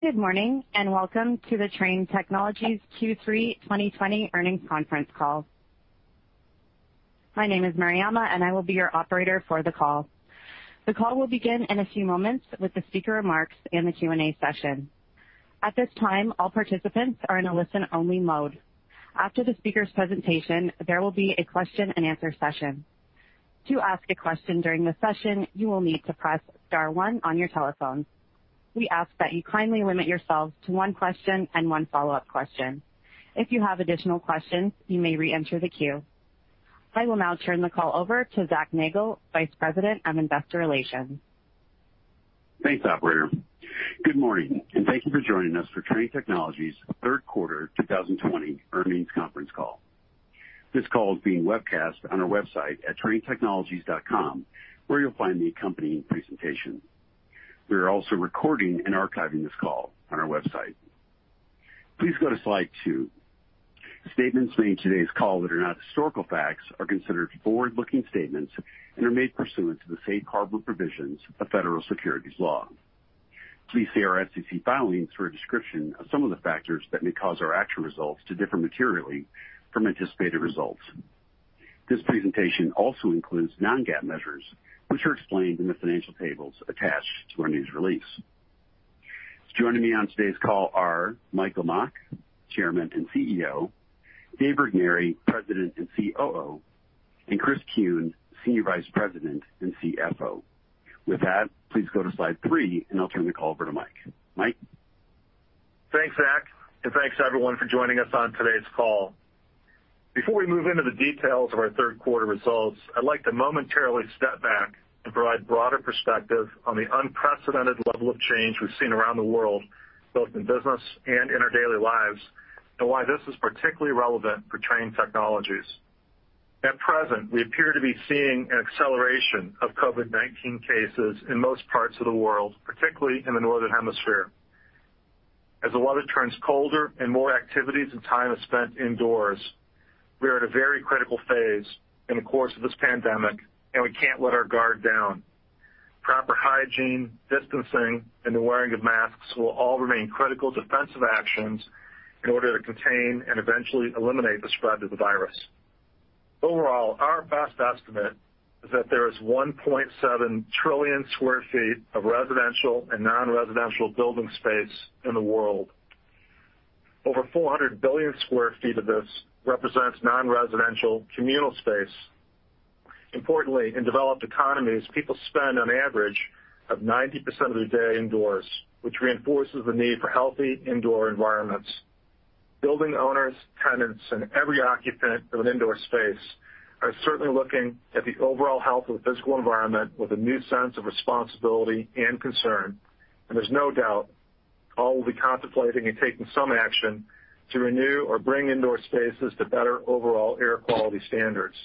Good morning, and welcome to the Trane Technologies Q3 2020 Earnings Conference Call. My name is Mariama, and I will be your operator for the call. The call will begin in a few moments with the speaker remarks and the Q&A session. At this time, all participants are in a listen-only mode. After the speaker's presentation, there will be a question-and-answer session. To ask a question during the session, you will need to press star one on your telephone. We ask that you kindly limit yourselves to one question and one follow-up question. If you have additional questions, you may reenter the queue. I will now turn the call over to Zac Nagle, Vice President of Investor Relations. Thanks, operator. Good morning, and thank you for joining us for Trane Technologies' Third Quarter 2020 Earnings Conference Call. This call is being webcast on our website at tranetechnologies.com, where you'll find the accompanying presentation. We are also recording and archiving this call on our website. Please go to slide two. Statements made in today's call that are not historical facts are considered forward-looking statements and are made pursuant to the safe harbor provisions of federal securities law. Please see our SEC filings for a description of some of the factors that may cause our actual results to differ materially from anticipated results. This presentation also includes non-GAAP measures, which are explained in the financial tables attached to our news release. Joining me on today's call are Mike Lamach, Chairman and CEO, Dave Regnery, President and COO, and Chris Kuehn, Senior Vice President and CFO. With that, please go to slide three, and I'll turn the call over to Mike. Mike? Thanks, Zac, thanks, everyone, for joining us on today's call. Before we move into the details of our third quarter results, I'd like to momentarily step back to provide broader perspective on the unprecedented level of change we've seen around the world, both in business and in our daily lives, and why this is particularly relevant for Trane Technologies. At present, we appear to be seeing an acceleration of COVID-19 cases in most parts of the world, particularly in the Northern Hemisphere. As the weather turns colder and more activities and time is spent indoors, we are at a very critical phase in the course of this pandemic, and we can't let our guard down. Proper hygiene, distancing, and the wearing of masks will all remain critical defensive actions in order to contain and eventually eliminate the spread of the virus. Overall, our best estimate is that there is 1.7 trillion square feet of residential and non-residential building space in the world. Over 400 billion square feet of this represents non-residential communal space. Importantly, in developed economies, people spend an average of 90% of their day indoors, which reinforces the need for healthy indoor environments. Building owners, tenants, and every occupant of an indoor space are certainly looking at the overall health of the physical environment with a new sense of responsibility and concern, and there's no doubt all will be contemplating and taking some action to renew or bring indoor spaces to better overall air quality standards.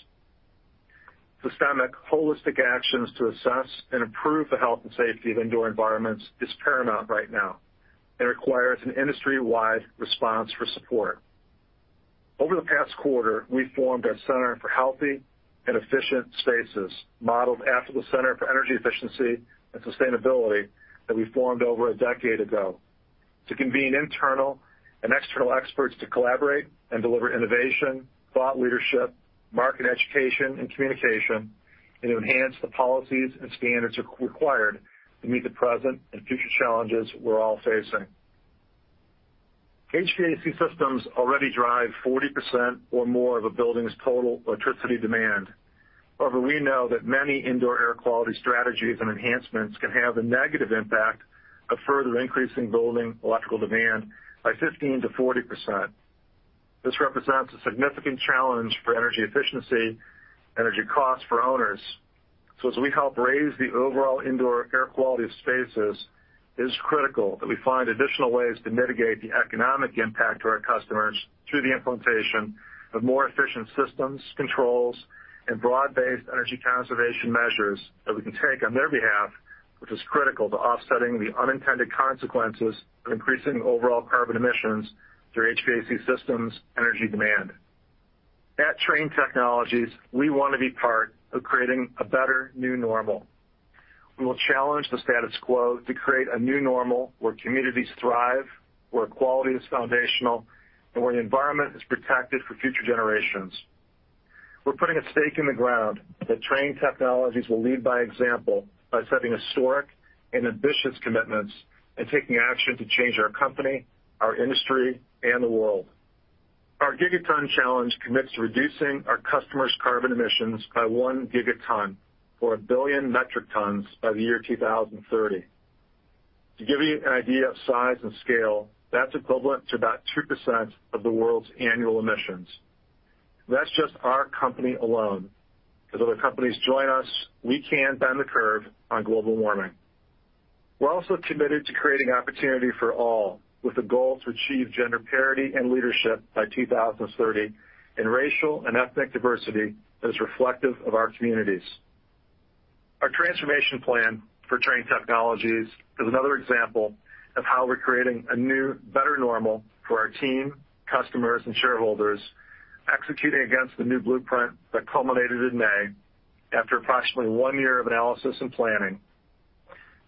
Systemic holistic actions to assess and improve the health and safety of indoor environments is paramount right now and requires an industry-wide response for support. Over the past quarter, we formed our Center for Healthy and Efficient Spaces, modeled after the Center for Energy Efficiency and Sustainability that we formed over a decade ago, to convene internal and external experts to collaborate and deliver innovation, thought leadership, market education, and communication, and to enhance the policies and standards required to meet the present and future challenges we're all facing. HVAC systems already drive 40% or more of a building's total electricity demand. However, we know that many indoor air quality strategies and enhancements can have a negative impact of further increasing building electrical demand by 15%-40%. This represents a significant challenge for energy efficiency and energy costs for owners. As we help raise the overall indoor air quality of spaces, it is critical that we find additional ways to mitigate the economic impact to our customers through the implementation of more efficient systems, controls, and broad-based energy conservation measures that we can take on their behalf, which is critical to offsetting the unintended consequences of increasing overall carbon emissions through HVAC systems' energy demand. At Trane Technologies, we want to be part of creating a better new normal. We will challenge the status quo to create a new normal where communities thrive, where quality is foundational, and where the environment is protected for future generations. We're putting a stake in the ground that Trane Technologies will lead by example by setting historic and ambitious commitments and taking action to change our company, our industry, and the world. Our Gigaton Challenge commits to reducing our customers' carbon emissions by 1 gigaton, or 1 billion metric tons, by the year 2030. To give you an idea of size and scale, that's equivalent to about 2% of the world's annual emissions. That's just our company alone. As other companies join us, we can bend the curve on global warming. We're also committed to creating opportunity for all, with a goal to achieve gender parity in leadership by 2030 and racial and ethnic diversity that is reflective of our communities. Our transformation plan for Trane Technologies is another example of how we're creating a new, better normal for our team, customers, and shareholders, executing against the new blueprint that culminated in May. After approximately one year of analysis and planning,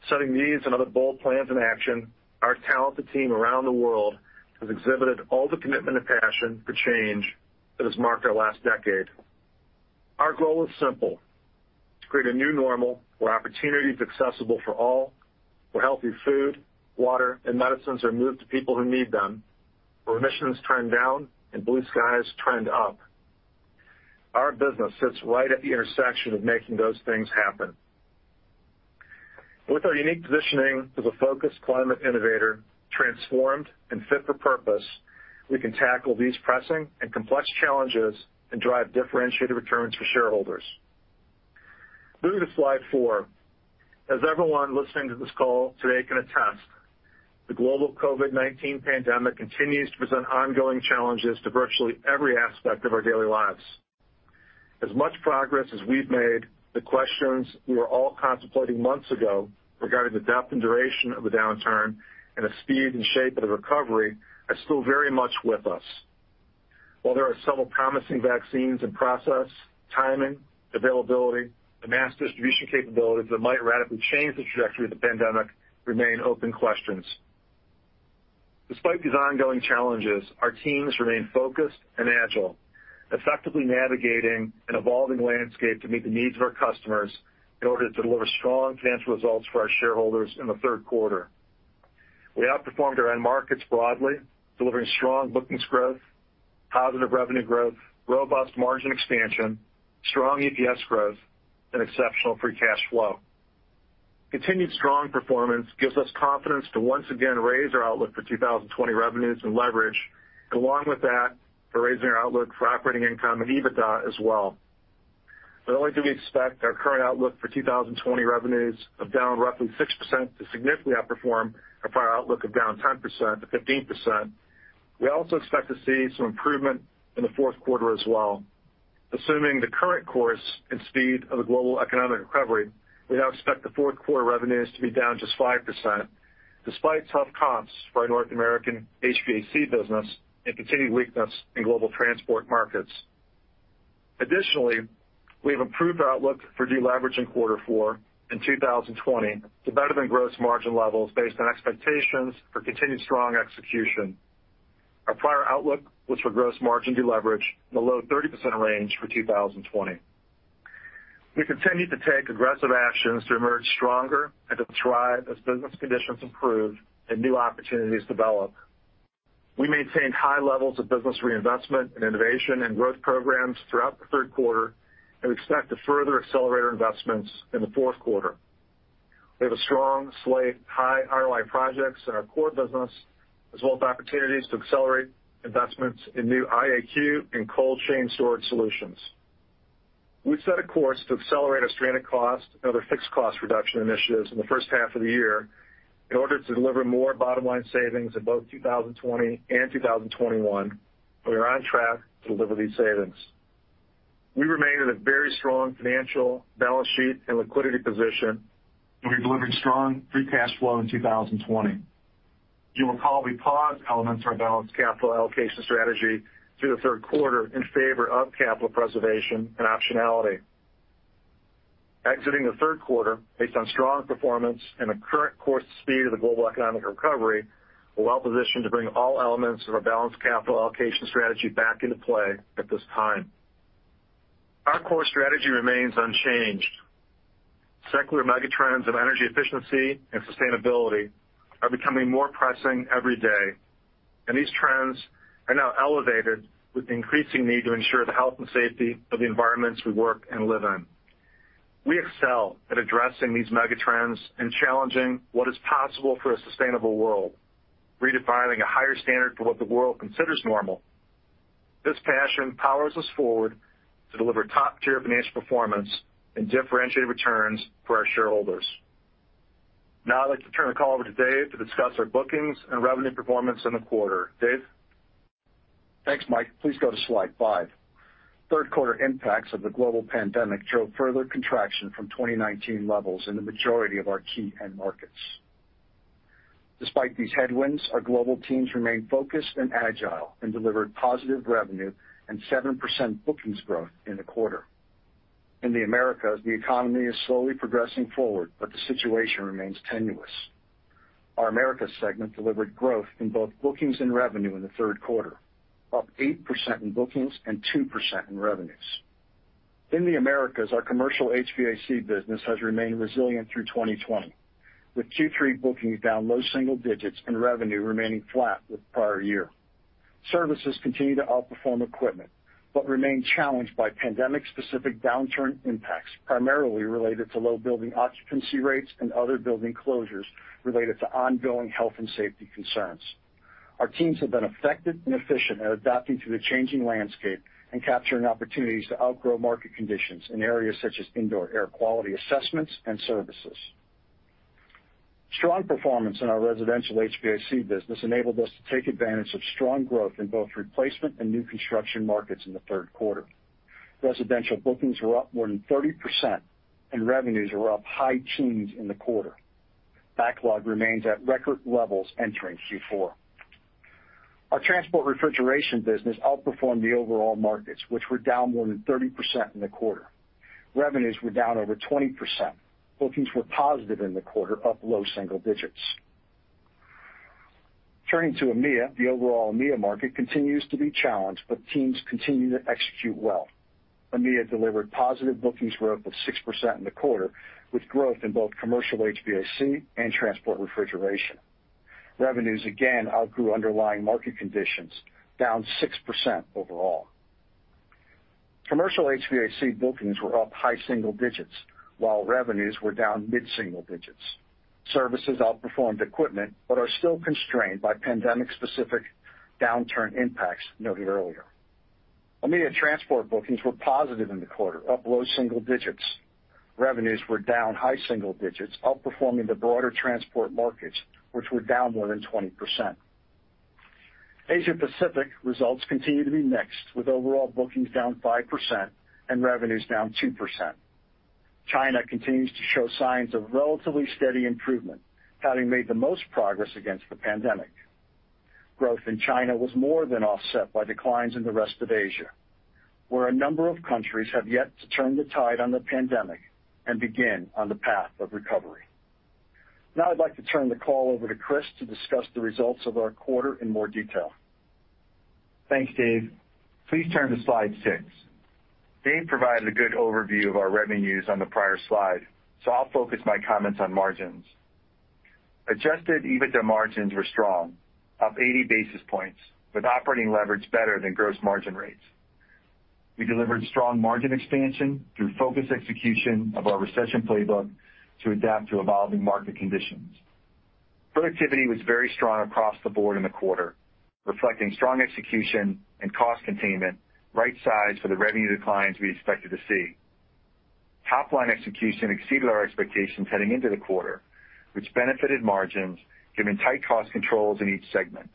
setting these and other bold plans in action, our talented team around the world has exhibited all the commitment and passion for change that has marked our last decade. Our goal is simple: To create a new normal where opportunity is accessible for all, where healthy food, water, and medicines are moved to people who need them, where emissions trend down and blue skies trend up. Our business sits right at the intersection of making those things happen. With our unique positioning as a focused climate innovator, transformed and fit for purpose, we can tackle these pressing and complex challenges and drive differentiated returns for shareholders. Moving to slide four. As everyone listening to this call today can attest, the global COVID-19 pandemic continues to present ongoing challenges to virtually every aspect of our daily lives. As much progress as we've made, the questions we were all contemplating months ago regarding the depth and duration of the downturn and the speed and shape of the recovery are still very much with us. While there are several promising vaccines in process, timing, availability, and mass distribution capabilities that might radically change the trajectory of the pandemic remain open questions. Despite these ongoing challenges, our teams remain focused and agile, effectively navigating an evolving landscape to meet the needs of our customers in order to deliver strong financial results for our shareholders in the third quarter. We outperformed our end markets broadly, delivering strong bookings growth, positive revenue growth, robust margin expansion, strong EPS growth, and exceptional free cash flow. Continued strong performance gives us confidence to once again raise our outlook for 2020 revenues and leverage, along with that, for raising our outlook for operating income and EBITDA as well. Not only do we expect our current outlook for 2020 revenues of down roughly 6% to significantly outperform our prior outlook of down 10%-15%, we also expect to see some improvement in the fourth quarter as well. Assuming the current course and speed of the global economic recovery, we now expect the fourth quarter revenues to be down just 5%, despite tough comps for our North American HVAC business and continued weakness in global transport markets. Additionally, we have improved our outlook for deleverage in quarter four in 2020 to better than gross margin levels based on expectations for continued strong execution. Our prior outlook was for gross margin deleverage in the low 30% range for 2020. We continue to take aggressive actions to emerge stronger and to thrive as business conditions improve and new opportunities develop. We maintained high levels of business reinvestment and innovation and growth programs throughout the third quarter. We expect to further accelerate our investments in the fourth quarter. We have a strong slate of high ROI projects in our core business, as well as opportunities to accelerate investments in new IAQ and cold chain storage solutions. We've set a course to accelerate our stranded cost and other fixed cost reduction initiatives in the first half of the year in order to deliver more bottom-line savings in both 2020 and 2021. We are on track to deliver these savings. We remain in a very strong financial balance sheet and liquidity position. We delivered strong free cash flow in 2020. You'll recall we paused elements of our balanced capital allocation strategy through the third quarter in favor of capital preservation and optionality. Exiting the third quarter, based on strong performance and the current course and speed of the global economic recovery, we're well positioned to bring all elements of our balanced capital allocation strategy back into play at this time. Our core strategy remains unchanged. Secular megatrends of energy efficiency and sustainability are becoming more pressing every day, and these trends are now elevated with the increasing need to ensure the health and safety of the environments we work and live in. We excel at addressing these megatrends and challenging what is possible for a sustainable world, redefining a higher standard for what the world considers normal. This passion powers us forward to deliver top-tier financial performance and differentiated returns for our shareholders. I'd like to turn the call over to Dave to discuss our bookings and revenue performance in the quarter. Dave? Thanks, Mike. Please go to slide five. Third quarter impacts of the global pandemic drove further contraction from 2019 levels in the majority of our key end markets. Despite these headwinds, our global teams remained focused and agile and delivered positive revenue and 7% bookings growth in the quarter. In the Americas, the economy is slowly progressing forward, but the situation remains tenuous. Our Americas segment delivered growth in both bookings and revenue in the third quarter, up 8% in bookings and 2% in revenues. In the Americas, our commercial HVAC business has remained resilient through 2020, with Q3 bookings down low-single digits and revenue remaining flat with prior year. Services continue to outperform equipment, but remain challenged by pandemic-specific downturn impacts, primarily related to low building occupancy rates and other building closures related to ongoing health and safety concerns. Our teams have been effective and efficient at adapting to the changing landscape and capturing opportunities to outgrow market conditions in areas such as indoor air quality assessments and services. Strong performance in our residential HVAC business enabled us to take advantage of strong growth in both replacement and new construction markets in the third quarter. Residential bookings were up more than 30%, and revenues were up high teens in the quarter. Backlog remains at record levels entering Q4. Our transport refrigeration business outperformed the overall markets, which were down more than 30% in the quarter. Revenues were down over 20%. Bookings were positive in the quarter, up low single digits. Turning to EMEA. The overall EMEA market continues to be challenged, but teams continue to execute well. EMEA delivered positive bookings growth of 6% in the quarter, with growth in both commercial HVAC and transport refrigeration. Revenues again outgrew underlying market conditions, down 6% overall. Commercial HVAC bookings were up high-single digits while revenues were down mid-single digits. Services outperformed equipment but are still constrained by pandemic-specific downturn impacts noted earlier. EMEA transport bookings were positive in the quarter, up low-single digits. Revenues were down high-single digits, outperforming the broader transport markets, which were down more than 20%. Asia Pacific results continue to be mixed, with overall bookings down 5% and revenues down 2%. China continues to show signs of relatively steady improvement, having made the most progress against the pandemic. Growth in China was more than offset by declines in the rest of Asia, where a number of countries have yet to turn the tide on the pandemic and begin on the path of recovery. Now I'd like to turn the call over to Chris to discuss the results of our quarter in more detail. Thanks, Dave. Please turn to slide six. Dave provided a good overview of our revenues on the prior slide, so I'll focus my comments on margins. Adjusted EBITDA margins were strong, up 80 basis points, with operating leverage better than gross margin rates. We delivered strong margin expansion through focused execution of our recession playbook to adapt to evolving market conditions. Productivity was very strong across the board in the quarter, reflecting strong execution and cost containment, right-sized for the revenue declines we expected to see. Top-line execution exceeded our expectations heading into the quarter, which benefited margins given tight cost controls in each segment.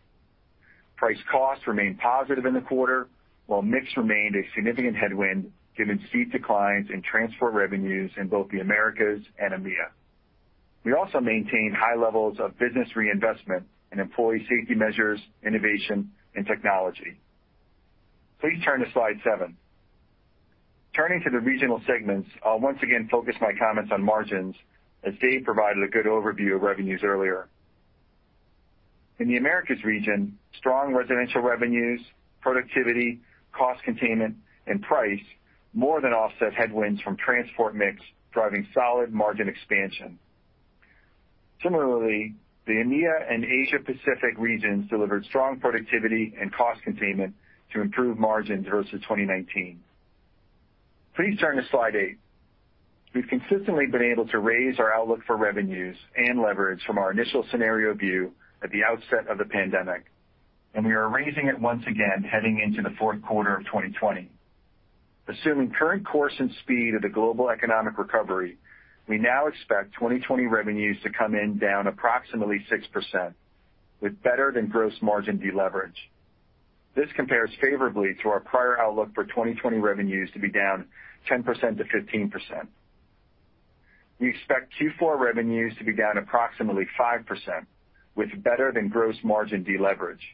Price-cost remained positive in the quarter, while mix remained a significant headwind given steep declines in transport revenues in both the Americas and EMEA. We also maintained high levels of business reinvestment in employee safety measures, innovation, and technology. Please turn to slide seven. Turning to the regional segments, I'll once again focus my comments on margins, as Dave provided a good overview of revenues earlier. In the Americas region, strong residential revenues, productivity, cost containment, and price more than offset headwinds from transport mix, driving solid margin expansion. Similarly, the EMEA and Asia Pacific regions delivered strong productivity and cost containment to improve margins versus 2019. Please turn to slide eight. We've consistently been able to raise our outlook for revenues and leverage from our initial scenario view at the outset of the pandemic, and we are raising it once again heading into the fourth quarter of 2020. Assuming current course and speed of the global economic recovery, we now expect 2020 revenues to come in down approximately 6%, with better than gross margin deleverage. This compares favorably to our prior outlook for 2020 revenues to be down 10%-15%. We expect Q4 revenues to be down approximately 5%, with better than gross margin deleverage.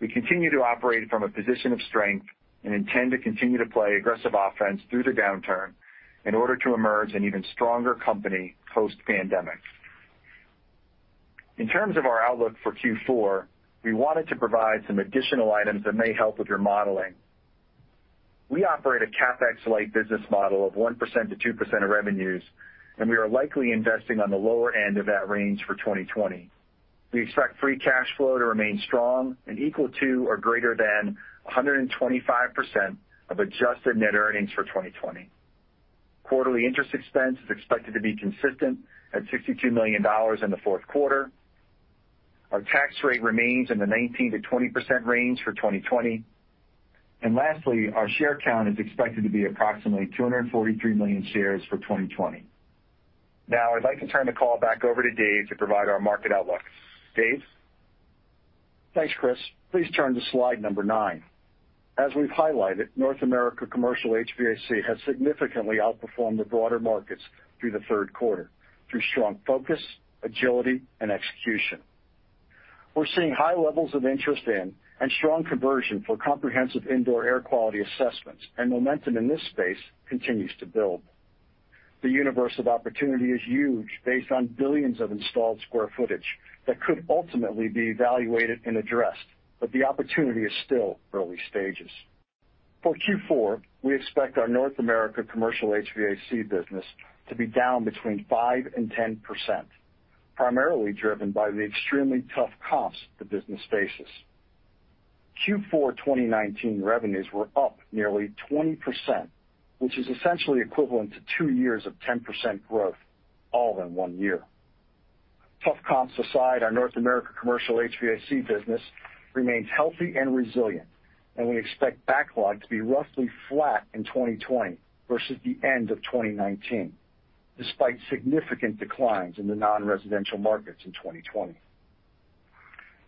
We continue to operate from a position of strength and intend to continue to play aggressive offense through the downturn in order to emerge an even stronger company post-pandemic. In terms of our outlook for Q4, we wanted to provide some additional items that may help with your modeling. We operate a CapEx-light business model of 1%-2% of revenues, and we are likely investing on the lower end of that range for 2020. We expect free cash flow to remain strong and equal to or greater than 125% of adjusted net earnings for 2020. Quarterly interest expense is expected to be consistent at $62 million in the fourth quarter. Our tax rate remains in the 19%-20% range for 2020. Lastly, our share count is expected to be approximately 243 million shares for 2020. I'd like to turn the call back over to Dave to provide our market outlook. Dave? Thanks, Chris. Please turn to slide number nine. We've highlighted, North America Commercial HVAC has significantly outperformed the broader markets through the third quarter through strong focus, agility, and execution. We're seeing high levels of interest in and strong conversion for comprehensive indoor air quality assessments, and momentum in this space continues to build. The universe of opportunity is huge based on billions of installed square footage that could ultimately be evaluated and addressed, but the opportunity is still early stages. For Q4, we expect our North America Commercial HVAC business to be down between 5% and 10%, primarily driven by the extremely tough comps the business faces. Q4 2019 revenues were up nearly 20%, which is essentially equivalent to two years of 10% growth, all in one year. Tough comps aside, our North America Commercial HVAC business remains healthy and resilient. We expect backlog to be roughly flat in 2020 versus the end of 2019, despite significant declines in the non-residential markets in 2020.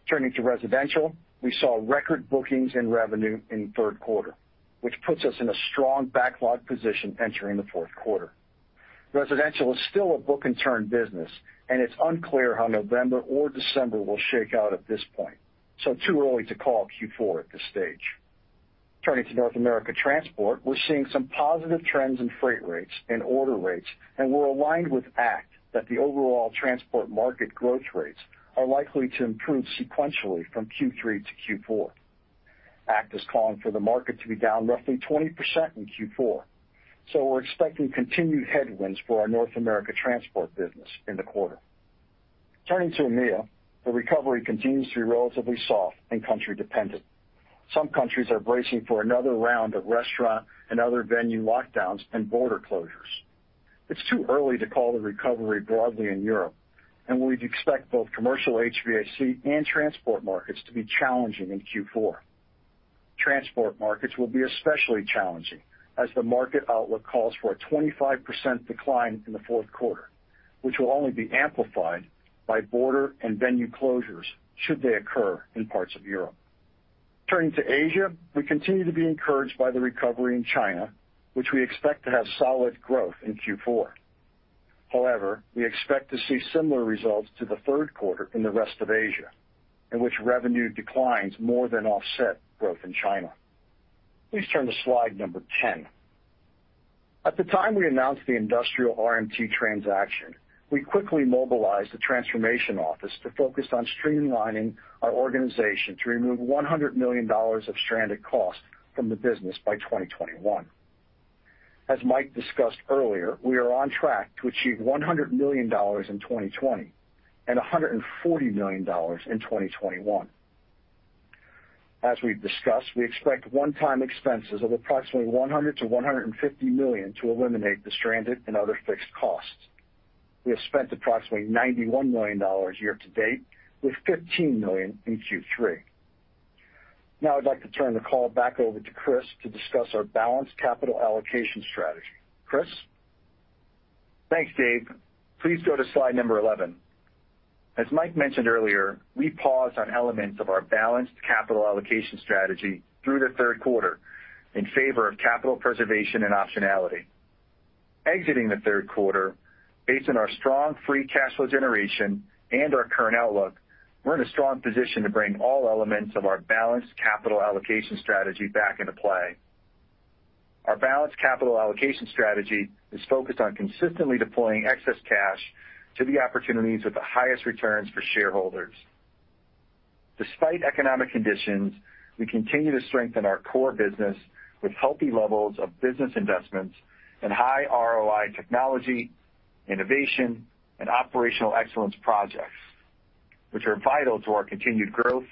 Turning to residential, we saw record bookings and revenue in the third quarter, which puts us in a strong backlog position entering the fourth quarter. Residential is still a book-and-turn business. It's unclear how November or December will shake out at this point, too early to call Q4 at this stage. Turning to North America transport, we're seeing some positive trends in freight rates and order rates. We're aligned with ACT that the overall transport market growth rates are likely to improve sequentially from Q3 to Q4. ACT is calling for the market to be down roughly 20% in Q4. We're expecting continued headwinds for our North America transport business in the quarter. Turning to EMEA, the recovery continues to be relatively soft and country-dependent. Some countries are bracing for another round of restaurant and other venue lockdowns and border closures. It's too early to call the recovery broadly in Europe, and we'd expect both commercial HVAC and transport markets to be challenging in Q4. Transport markets will be especially challenging as the market outlook calls for a 25% decline in the fourth quarter, which will only be amplified by border and venue closures should they occur in parts of Europe. Turning to Asia, we continue to be encouraged by the recovery in China, which we expect to have solid growth in Q4. However, we expect to see similar results to the third quarter in the rest of Asia, in which revenue declines more than offset growth in China. Please turn to slide number 10. At the time we announced the industrial RMT transaction, we quickly mobilized the transformation office to focus on streamlining our organization to remove $100 million of stranded costs from the business by 2021. As Mike discussed earlier, we are on track to achieve $100 million in 2020 and $140 million in 2021. As we've discussed, we expect one-time expenses of approximately $100 million-$150 million to eliminate the stranded and other fixed costs. We have spent approximately $91 million year to date, with $15 million in Q3. Now I'd like to turn the call back over to Chris to discuss our balanced capital allocation strategy. Chris? Thanks, Dave. Please go to slide number 11. As Mike mentioned earlier, we paused on elements of our balanced capital allocation strategy through the third quarter in favor of capital preservation and optionality. Exiting the third quarter, based on our strong free cash flow generation and our current outlook, we're in a strong position to bring all elements of our balanced capital allocation strategy back into play. Our balanced capital allocation strategy is focused on consistently deploying excess cash to the opportunities with the highest returns for shareholders. Despite economic conditions, we continue to strengthen our core business with healthy levels of business investments and high ROI technology, innovation, and operational excellence projects, which are vital to our continued growth,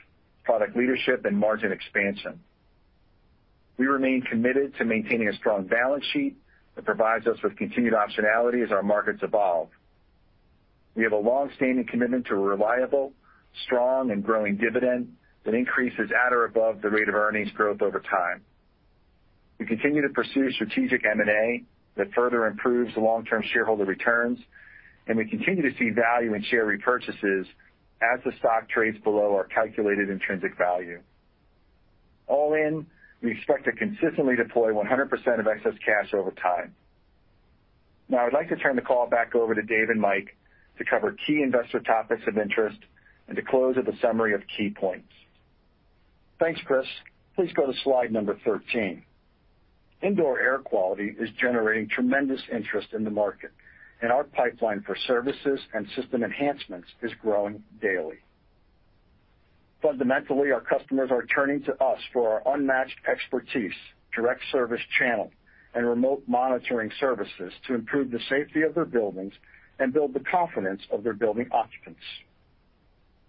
product leadership, and margin expansion. We remain committed to maintaining a strong balance sheet that provides us with continued optionality as our markets evolve. We have a longstanding commitment to a reliable, strong, and growing dividend that increases at or above the rate of earnings growth over time. We continue to pursue strategic M&A that further improves the long-term shareholder returns, and we continue to see value in share repurchases as the stock trades below our calculated intrinsic value. All in, we expect to consistently deploy 100% of excess cash over time. Now I'd like to turn the call back over to Dave and Mike to cover key investor topics of interest and to close with a summary of key points. Thanks, Chris. Please go to slide number 13. Indoor air quality is generating tremendous interest in the market, and our pipeline for services and system enhancements is growing daily. Fundamentally, our customers are turning to us for our unmatched expertise, direct service channel, and remote monitoring services to improve the safety of their buildings and build the confidence of their building occupants.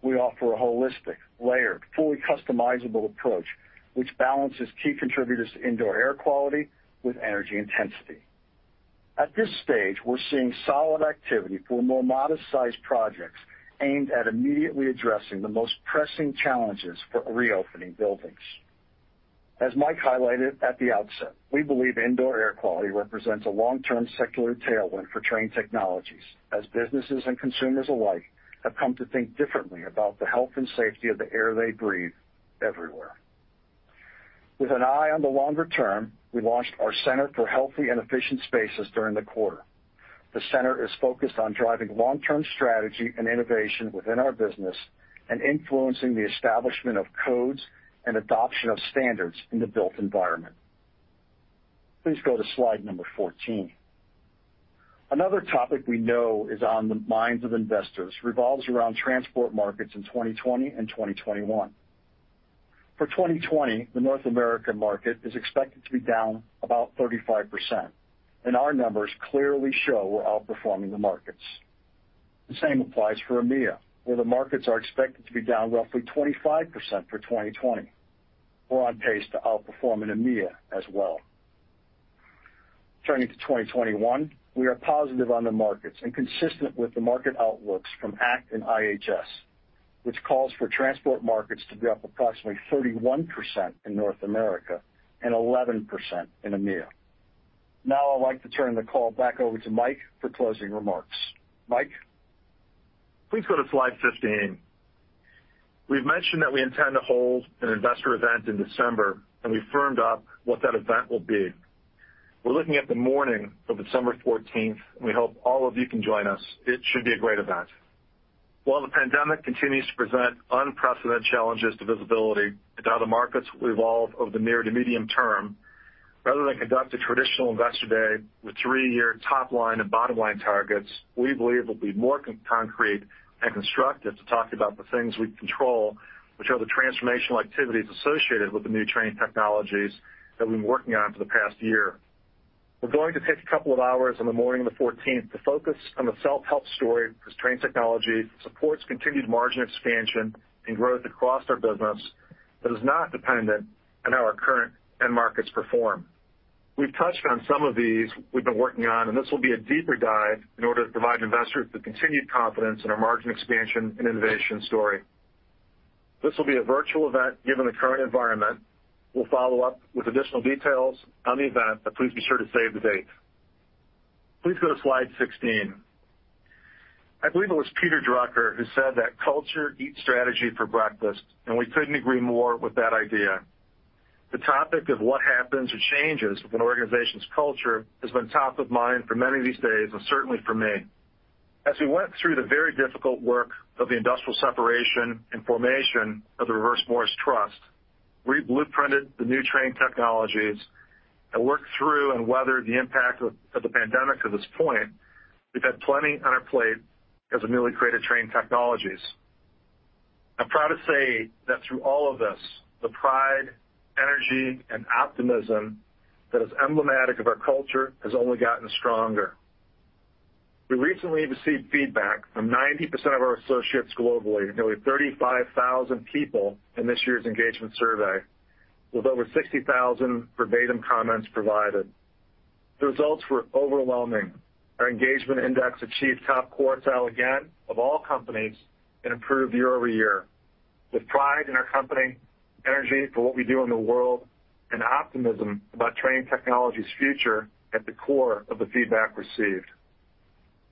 We offer a holistic, layered, fully customizable approach, which balances key contributors to indoor air quality with energy intensity. At this stage, we're seeing solid activity for more modest-sized projects aimed at immediately addressing the most pressing challenges for reopening buildings. As Mike highlighted at the outset, we believe indoor air quality represents a long-term secular tailwind for Trane Technologies, as businesses and consumers alike have come to think differently about the health and safety of the air they breathe everywhere. With an eye on the longer term, we launched our Center for Healthy and Efficient Spaces during the quarter. The center is focused on driving long-term strategy and innovation within our business and influencing the establishment of codes and adoption of standards in the built environment. Please go to slide number 14. Another topic we know is on the minds of investors revolves around transport markets in 2020 and 2021. For 2020, the North American market is expected to be down about 35%, and our numbers clearly show we're outperforming the markets. The same applies for EMEA, where the markets are expected to be down roughly 25% for 2020. We're on pace to outperform in EMEA as well. Turning to 2021, we are positive on the markets and consistent with the market outlooks from ACT and IHS, which calls for transport markets to be up approximately 31% in North America and 11% in EMEA. I'd like to turn the call back over to Mike for closing remarks. Mike? Please go to slide 15. We've mentioned that we intend to hold an investor event in December. We firmed up what that event will be. We're looking at the morning of December 14th. We hope all of you can join us. It should be a great event. While the pandemic continues to present unprecedented challenges to visibility into how the markets will evolve over the near to medium term, rather than conduct a traditional investor day with three-year top-line and bottom-line targets, we believe it'll be more concrete and constructive to talk about the things we control, which are the transformational activities associated with the new Trane Technologies that we've been working on for the past year. We're going to take a couple of hours on the morning of the 14th to focus on the self-help story as Trane Technologies supports continued margin expansion and growth across our business that is not dependent on how our current end markets perform. We've touched on some of these we've been working on, and this will be a deeper dive in order to provide investors with the continued confidence in our margin expansion and innovation story. This will be a virtual event, given the current environment. We'll follow up with additional details on the event, but please be sure to save the date. Please go to slide 16. I believe it was Peter Drucker who said that culture eats strategy for breakfast, and we couldn't agree more with that idea. The topic of what happens or changes with an organization's culture has been top of mind for many of these days, and certainly for me. As we went through the very difficult work of the industrial separation and formation of the Reverse Morris Trust, we blueprinted the new Trane Technologies and worked through and weathered the impact of the pandemic to this point. We've had plenty on our plate as a newly created Trane Technologies. I'm proud to say that through all of this, the pride, energy, and optimism that is emblematic of our culture has only gotten stronger. We recently received feedback from 90% of our associates globally, nearly 35,000 people in this year's engagement survey, with over 60,000 verbatim comments provided. The results were overwhelming. Our engagement index achieved top quartile again of all companies and improved year-over-year. The pride in our company, energy for what we do in the world, and optimism about Trane Technologies' future at the core of the feedback received.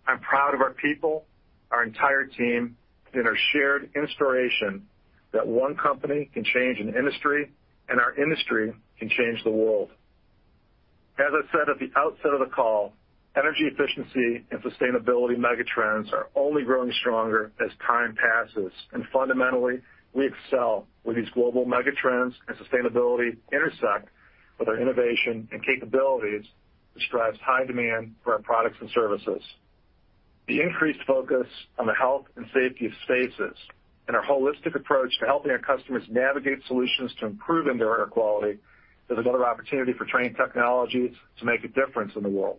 I'm proud of our people, our entire team, and our shared inspiration that one company can change an industry, and our industry can change the world. As I said at the outset of the call, energy efficiency and sustainability megatrends are only growing stronger as time passes, and fundamentally, we excel where these global megatrends and sustainability intersect with our innovation and capabilities, which drives high demand for our products and services. The increased focus on the health and safety of spaces and our holistic approach to helping our customers navigate solutions to improve indoor air quality is another opportunity for Trane Technologies to make a difference in the world.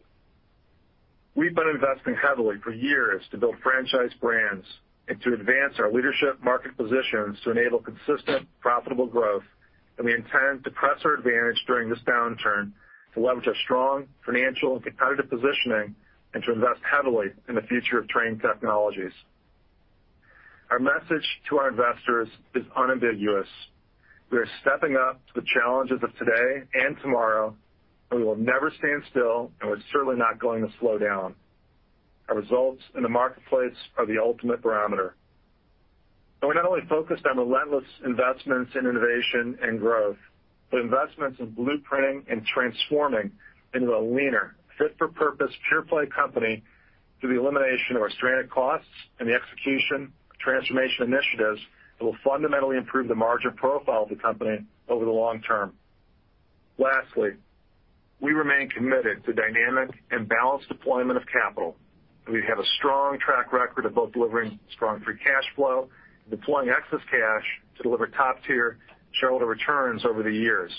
We've been investing heavily for years to build franchise brands and to advance our leadership market positions to enable consistent, profitable growth, and we intend to press our advantage during this downturn to leverage our strong financial and competitive positioning and to invest heavily in the future of Trane Technologies. Our message to our investors is unambiguous. We are stepping up to the challenges of today and tomorrow. We will never stand still. We're certainly not going to slow down. Our results in the marketplace are the ultimate barometer. We're not only focused on relentless investments in innovation and growth, but investments in blueprinting and transforming into a leaner, fit-for-purpose, pure-play company through the elimination of our stranded costs and the execution of transformation initiatives that will fundamentally improve the margin profile of the company over the long term. Lastly, we remain committed to dynamic and balanced deployment of capital. We have a strong track record of both delivering strong free cash flow and deploying excess cash to deliver top-tier shareholder returns over the years.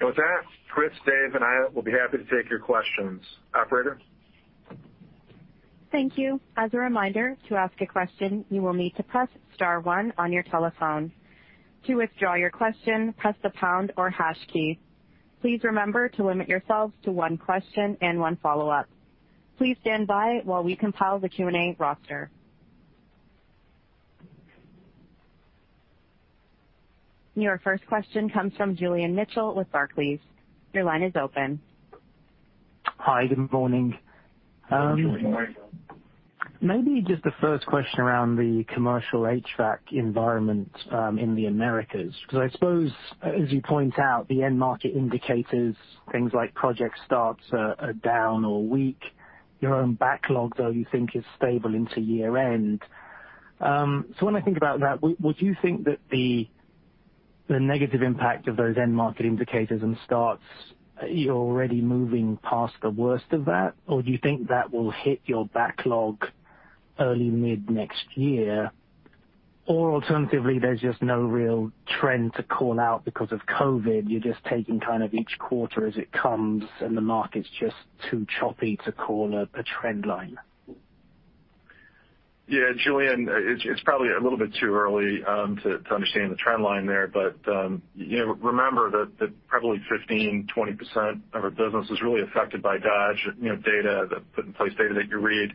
With that, Chris, Dave, and I will be happy to take your questions. Operator? Thank you. As a reminder, to ask a question, you will need to press star one on your telephone. To withdraw your question, press the pound or hash key. Please remember to limit yourselves to one question and one follow-up. Please stand by while we compile the Q&A roster. Your first question comes from Julian Mitchell with Barclays. Your line is open. Hi, good morning. Hi, Julian. Maybe just the first question around the commercial HVAC environment in the Americas, because I suppose, as you point out, the end market indicators, things like project starts are down or weak. Your own backlog, though, you think is stable into year-end. When I think about that, would you think that the negative impact of those end market indicators and starts, you're already moving past the worst of that? Do you think that will hit your backlog early mid-next year? Alternatively, there's just no real trend to call out because of COVID, you're just taking kind of each quarter as it comes and the market's just too choppy to call a trend line? Yeah, Julian, it's probably a little bit too early to understand the trend line there. Remember that probably 15%, 20% of our business is really affected by Dodge data, the put-in-place data that you read,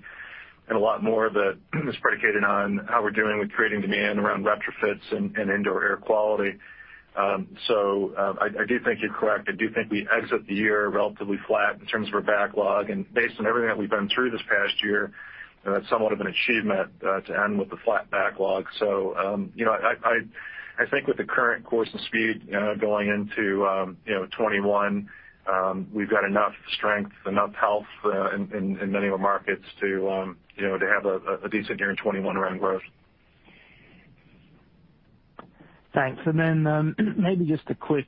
and a lot more of it is predicated on how we're doing with creating demand around retrofits and indoor air quality. I do think you're correct. I do think we exit the year relatively flat in terms of our backlog. Based on everything that we've been through this past year, that's somewhat of an achievement to end with a flat backlog. I think with the current course and speed going into 2021, we've got enough strength, enough health in many of our markets to have a decent year in 2021 around growth. Thanks. Maybe just a quick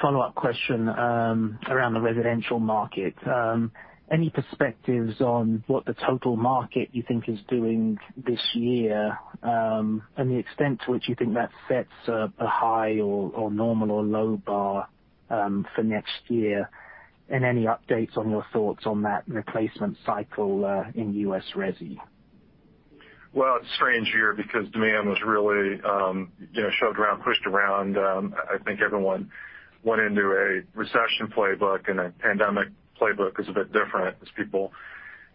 follow-up question around the residential market. Any perspectives on what the total market you think is doing this year, and the extent to which you think that sets a high or normal or low bar for next year? Any updates on your thoughts on that replacement cycle in U.S. resi? It's a strange year because demand was really shoved around, pushed around. I think everyone went into a recession playbook and a pandemic playbook is a bit different as people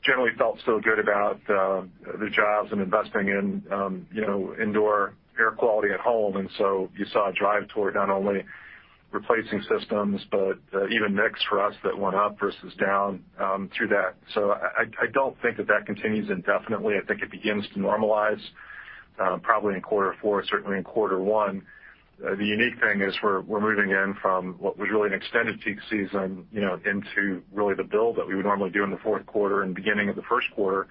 generally felt so good about their jobs and investing in indoor air quality at home. You saw a drive toward not only replacing systems, but even mix for us that went up versus down through that. I don't think that that continues indefinitely. I think it begins to normalize, probably in quarter four, certainly in quarter one. The unique thing is we're moving in from what was really an extended peak season into really the build that we would normally do in the fourth quarter and beginning of the first quarter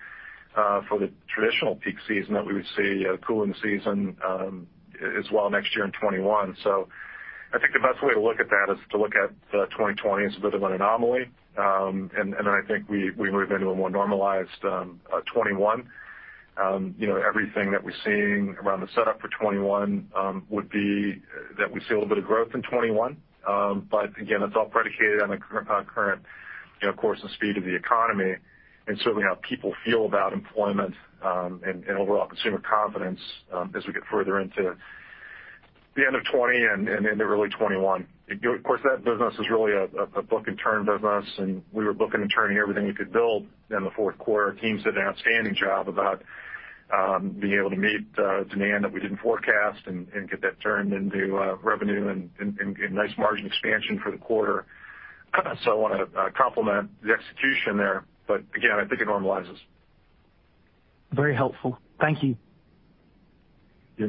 for the traditional peak season that we would see cooling season as well next year in 2021. I think the best way to look at that is to look at 2020 as a bit of an anomaly. Then I think we move into a more normalized 2021. Everything that we're seeing around the setup for 2021 would be that we see a little bit of growth in 2021. Again, that's all predicated on current course and speed of the economy and certainly how people feel about employment and overall consumer confidence as we get further into the end of 2020 and into early 2021. Of course, that business is really a book and turn business, and we were booking and turning everything we could build in the fourth quarter. Teams did an outstanding job about being able to meet demand that we didn't forecast and get that turned into revenue and nice margin expansion for the quarter. I want to compliment the execution there. Again, I think it normalizes. Very helpful. Thank you. Yeah.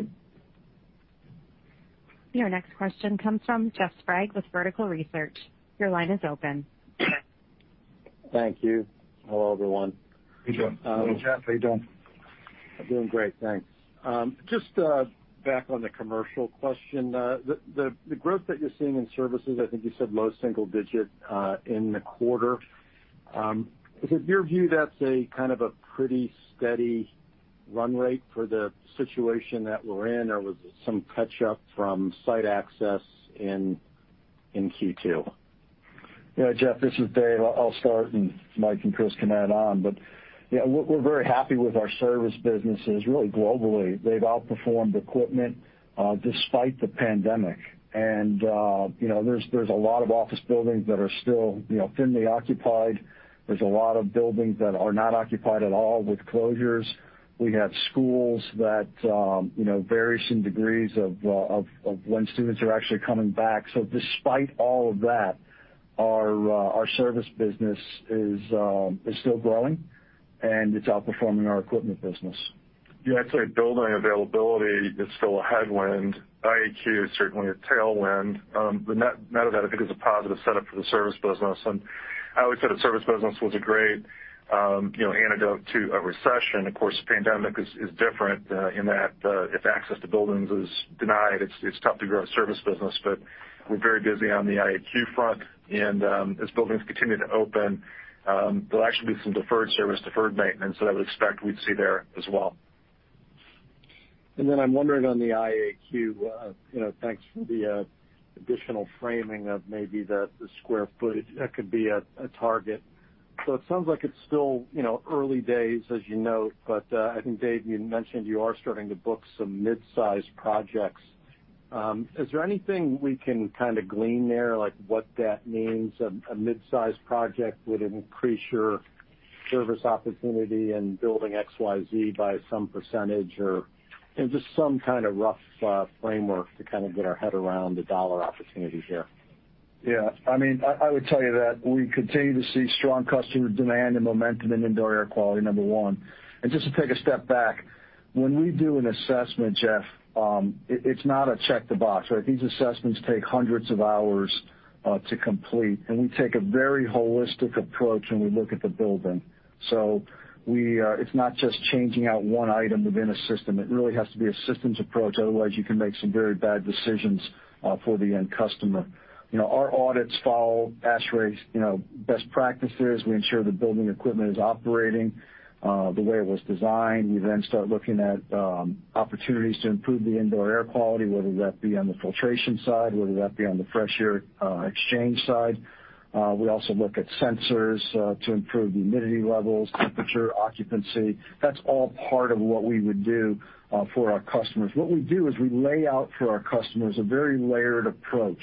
Your next question comes from Jeff Sprague with Vertical Research. Your line is open. Thank you. Hello, everyone. Hey, Jeff. Hello, Jeff. How you doing? I'm doing great, thanks. Back on the commercial question. The growth that you're seeing in services, I think you said low-single-digit in the quarter. Is it your view that's a kind of a pretty steady run rate for the situation that we're in? There was some catch up from site access in Q2. Yeah, Jeff, this is Dave. I'll start. Mike and Chris can add on. We're very happy with our service businesses, really globally. They've outperformed equipment despite the pandemic. There's a lot of office buildings that are still thinly occupied. There's a lot of buildings that are not occupied at all with closures. We have schools that, various in degrees of when students are actually coming back. Despite all of that, our service business is still growing and it's outperforming our equipment business. Yeah, I'd say building availability is still a headwind. IAQ is certainly a tailwind. Net of that, I think it's a positive setup for the service business and I would say the service was a great you know antidote to a recession. Of course, pandemic is different in that if access to buildings is denied, it's tough to grow a service business. We're very busy on the IAQ front, and as buildings continue to open, there'll actually be some deferred service, deferred maintenance that I would expect we'd see there as well. I'm wondering on the IAQ. Thanks for the additional framing of maybe the square footage that could be a target. It sounds like it's still early days as you note, I think, Dave, you mentioned you are starting to book some mid-size projects. Is there anything we can kind of glean there, like what that means? A mid-size project would increase your service opportunity and building XYZ by some percentage or just some kind of rough framework to kind of get our head around the dollar opportunity here. Yeah. I would tell you that we continue to see strong customer demand and momentum in indoor air quality, number one. Just to take a step back, when we do an assessment, Jeff, it's not a check the box, right? These assessments take hundreds of hours to complete, and we take a very holistic approach when we look at the building. It's not just changing out one item within a system. It really has to be a systems approach. Otherwise, you can make some very bad decisions for the end customer. Our audits follow ASHRAE's best practices. We ensure the building equipment is operating the way it was designed. We start looking at opportunities to improve the indoor air quality, whether that be on the filtration side, whether that be on the fresh air exchange side. We also look at sensors to improve the humidity levels, temperature, occupancy. That's all part of what we would do for our customers. What we do is we lay out for our customers a very layered approach.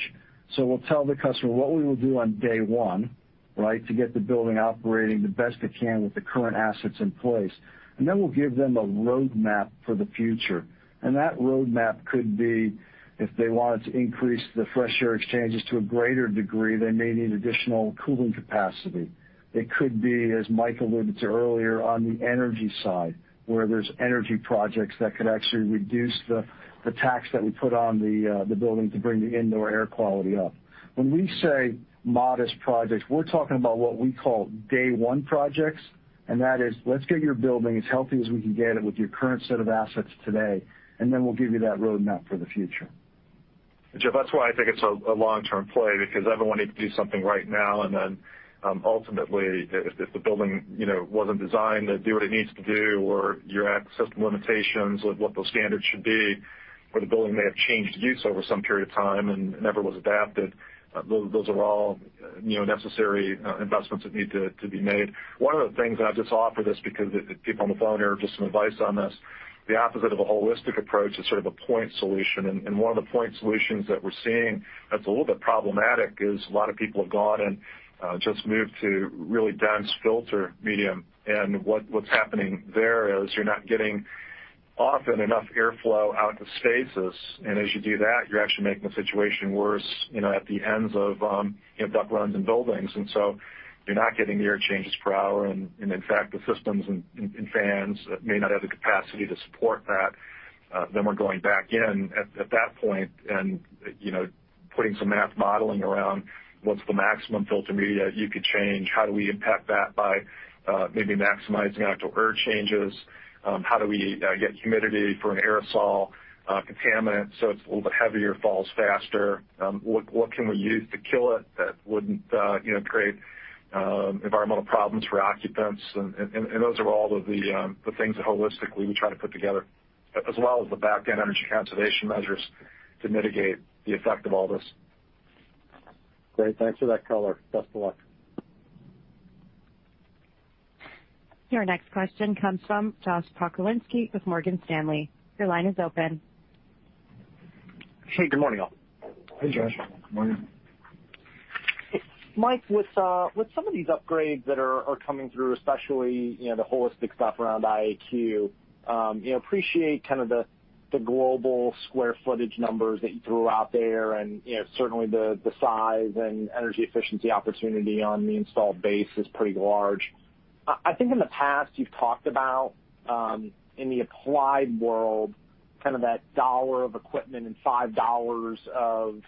We'll tell the customer what we will do on day one, to get the building operating the best it can with the current assets in place. We'll give them a roadmap for the future. That roadmap could be if they wanted to increase the fresh air exchanges to a greater degree, they may need additional cooling capacity. It could be, as Mike alluded to earlier, on the energy side, where there's energy projects that could actually reduce the tax that we put on the building to bring the indoor air quality up. When we say modest projects, we're talking about what we call day one projects, and that is, let's get your building as healthy as we can get it with your current set of assets today, and then we'll give you that roadmap for the future. Jeff, that's why I think it's a long-term play, because everyone needs to do something right now. Ultimately, if the building, wasn't designed to do what it needs to do, or you're at system limitations with what those standards should be, or the building may have changed use over some period of time and never was adapted, those are all necessary investments that need to be made. One of the things, and I just offer this because the people on the phone here give some advice on this, the opposite of a holistic approach is sort of a point solution. One of the point solutions that we're seeing that's a little bit problematic is a lot of people have gone and just moved to really dense filter medium. What's happening there is you're not getting often enough airflow out to spaces. As you do that, you're actually making the situation worse at the ends of duct runs in buildings. So you're not getting the air changes per hour, and in fact, the systems and fans may not have the capacity to support that. We're going back in at that point and putting some math modeling around what's the maximum filter media you could change. How do we impact that by maybe maximizing outdoor air changes? How do we get humidity for an aerosol contaminant, so it's a little bit heavier, falls faster? What can we use to kill it that wouldn't create environmental problems for occupants? Those are all of the things that holistically we try to put together, as well as the back-end energy conservation measures to mitigate the effect of all this. Great. Thanks for that color. Best of luck. Your next question comes from Josh Pokrzywinski with Morgan Stanley. Your line is open. Hey, good morning, all. Hey, Josh. Morning. Mike, with some of these upgrades that are coming through, especially the holistic stuff around IAQ, appreciate kind of the global square footage numbers that you threw out there, and certainly the size and energy efficiency opportunity on the installed base is pretty large. I think in the past, you've talked about, in the applied world, kind of that $1 of equipment and $5 of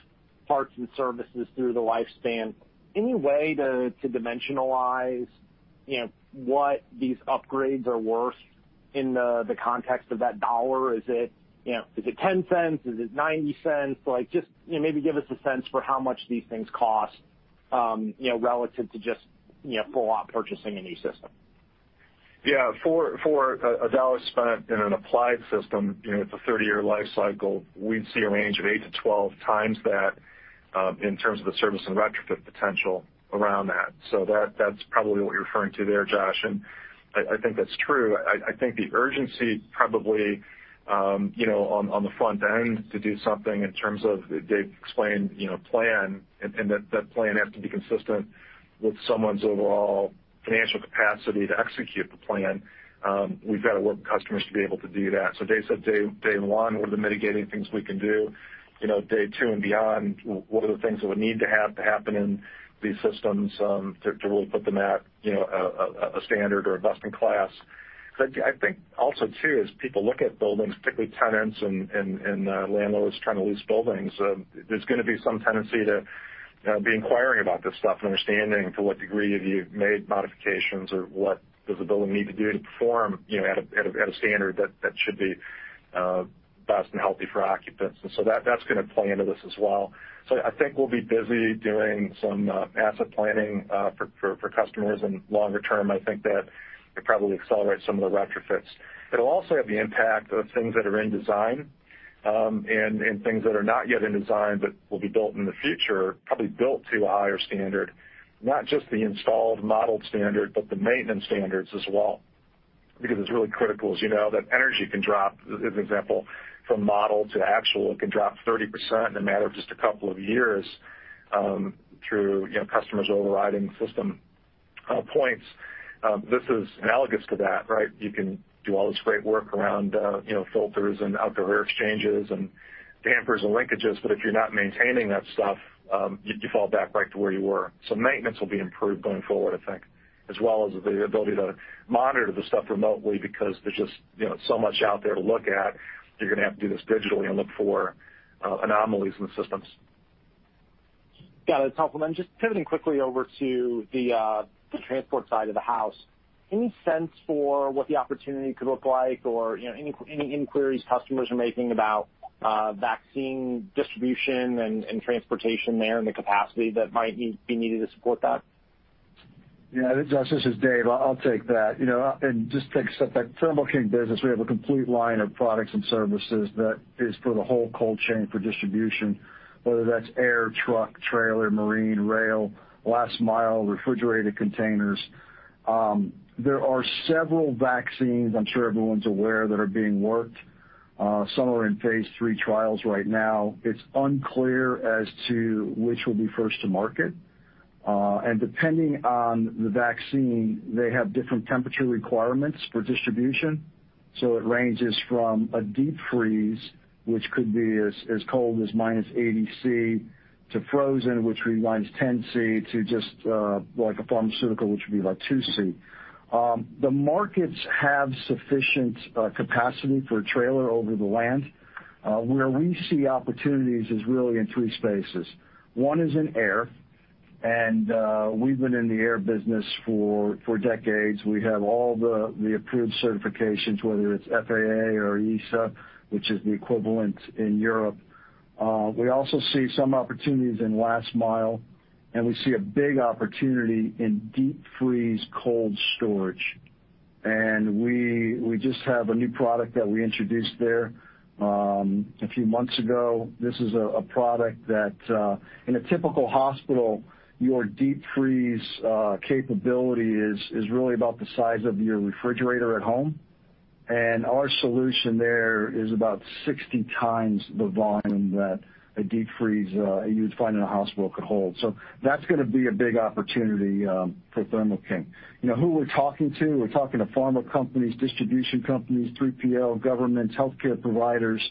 parts and services through the lifespan. Any way to dimensionalize what these upgrades are worth in the context of that $1? Is it $0.10? Is it $0.90? Just maybe give us a sense for how much these things cost relative to just full-on purchasing a new system. Yeah. For a $1 spent in an applied system with a 30-year life cycle, we'd see a range of eight to 12 times that in terms of the service and retrofit potential around that. That's probably what you're referring to there, Josh, and I think that's true. I think the urgency probably on the front end to do something in terms of, Dave explained, plan, and that plan has to be consistent with someone's overall financial capacity to execute the plan. We've got to work with customers to be able to do that. Dave said day one, what are the mitigating things we can do? Day two and beyond, what are the things that would need to happen in these systems to really put them at a standard or a best-in-class? Because I think also too, as people look at buildings, particularly tenants and landlords trying to lease buildings, there's going to be some tendency to be inquiring about this stuff and understanding to what degree have you made modifications or what does the building need to do to perform at a standard that should be best and healthy for occupants. That's going to play into this as well. I think we'll be busy doing some asset planning for customers and longer term, I think that it probably accelerates some of the retrofits. It'll also have the impact of things that are in design, and things that are not yet in design but will be built in the future, probably built to a higher standard. Not just the installed modeled standard, but the maintenance standards as well. Because it's really critical, as you know, that energy can drop, as an example, from model to actual, it can drop 30% in a matter of just a couple of years, through customers overriding system points. This is analogous to that. You can do all this great work around filters and outdoor air exchanges and dampers and linkages, but if you're not maintaining that stuff, you fall back right to where you were. Maintenance will be improved going forward, I think, as well as the ability to monitor the stuff remotely because there's just so much out there to look at. You're going to have to do this digitally and look for anomalies in the systems. Got it. To complement, just pivoting quickly over to the transport side of the house, any sense for what the opportunity could look like, or any inquiries customers are making about vaccine distribution and transportation there and the capacity that might be needed to support that? Yeah. Josh, this is Dave. I'll take that. Just to assess that Thermo King business, we have a complete line of products and services that is for the whole cold chain for distribution, whether that's air, truck, trailer, marine, rail, last mile refrigerated containers. There are several vaccines, I'm sure everyone's aware, that are being worked. Some are in phase III trials right now. It's unclear as to which will be first to market. Depending on the vaccine, they have different temperature requirements for distribution. It ranges from a deep freeze, which could be as cold as -80°C, to frozen, which ranges 10°C, to just like a pharmaceutical, which would be like 2°C. The markets have sufficient capacity for trailer over the land. Where we see opportunities is really in three spaces. One is in air, and we've been in the air business for decades. We have all the approved certifications, whether it's FAA or EASA, which is the equivalent in Europe. We also see some opportunities in last mile, we see a big opportunity in deep freeze cold storage. We just have a new product that we introduced there a few months ago. This is a product that, in a typical hospital, your deep freeze capability is really about the size of your refrigerator at home. Our solution there is about 60 times the volume that a deep freeze you'd find in a hospital could hold. That's going to be a big opportunity for Thermo King. Who we're talking to? We're talking to pharma companies, distribution companies, 3PL, governments, healthcare providers.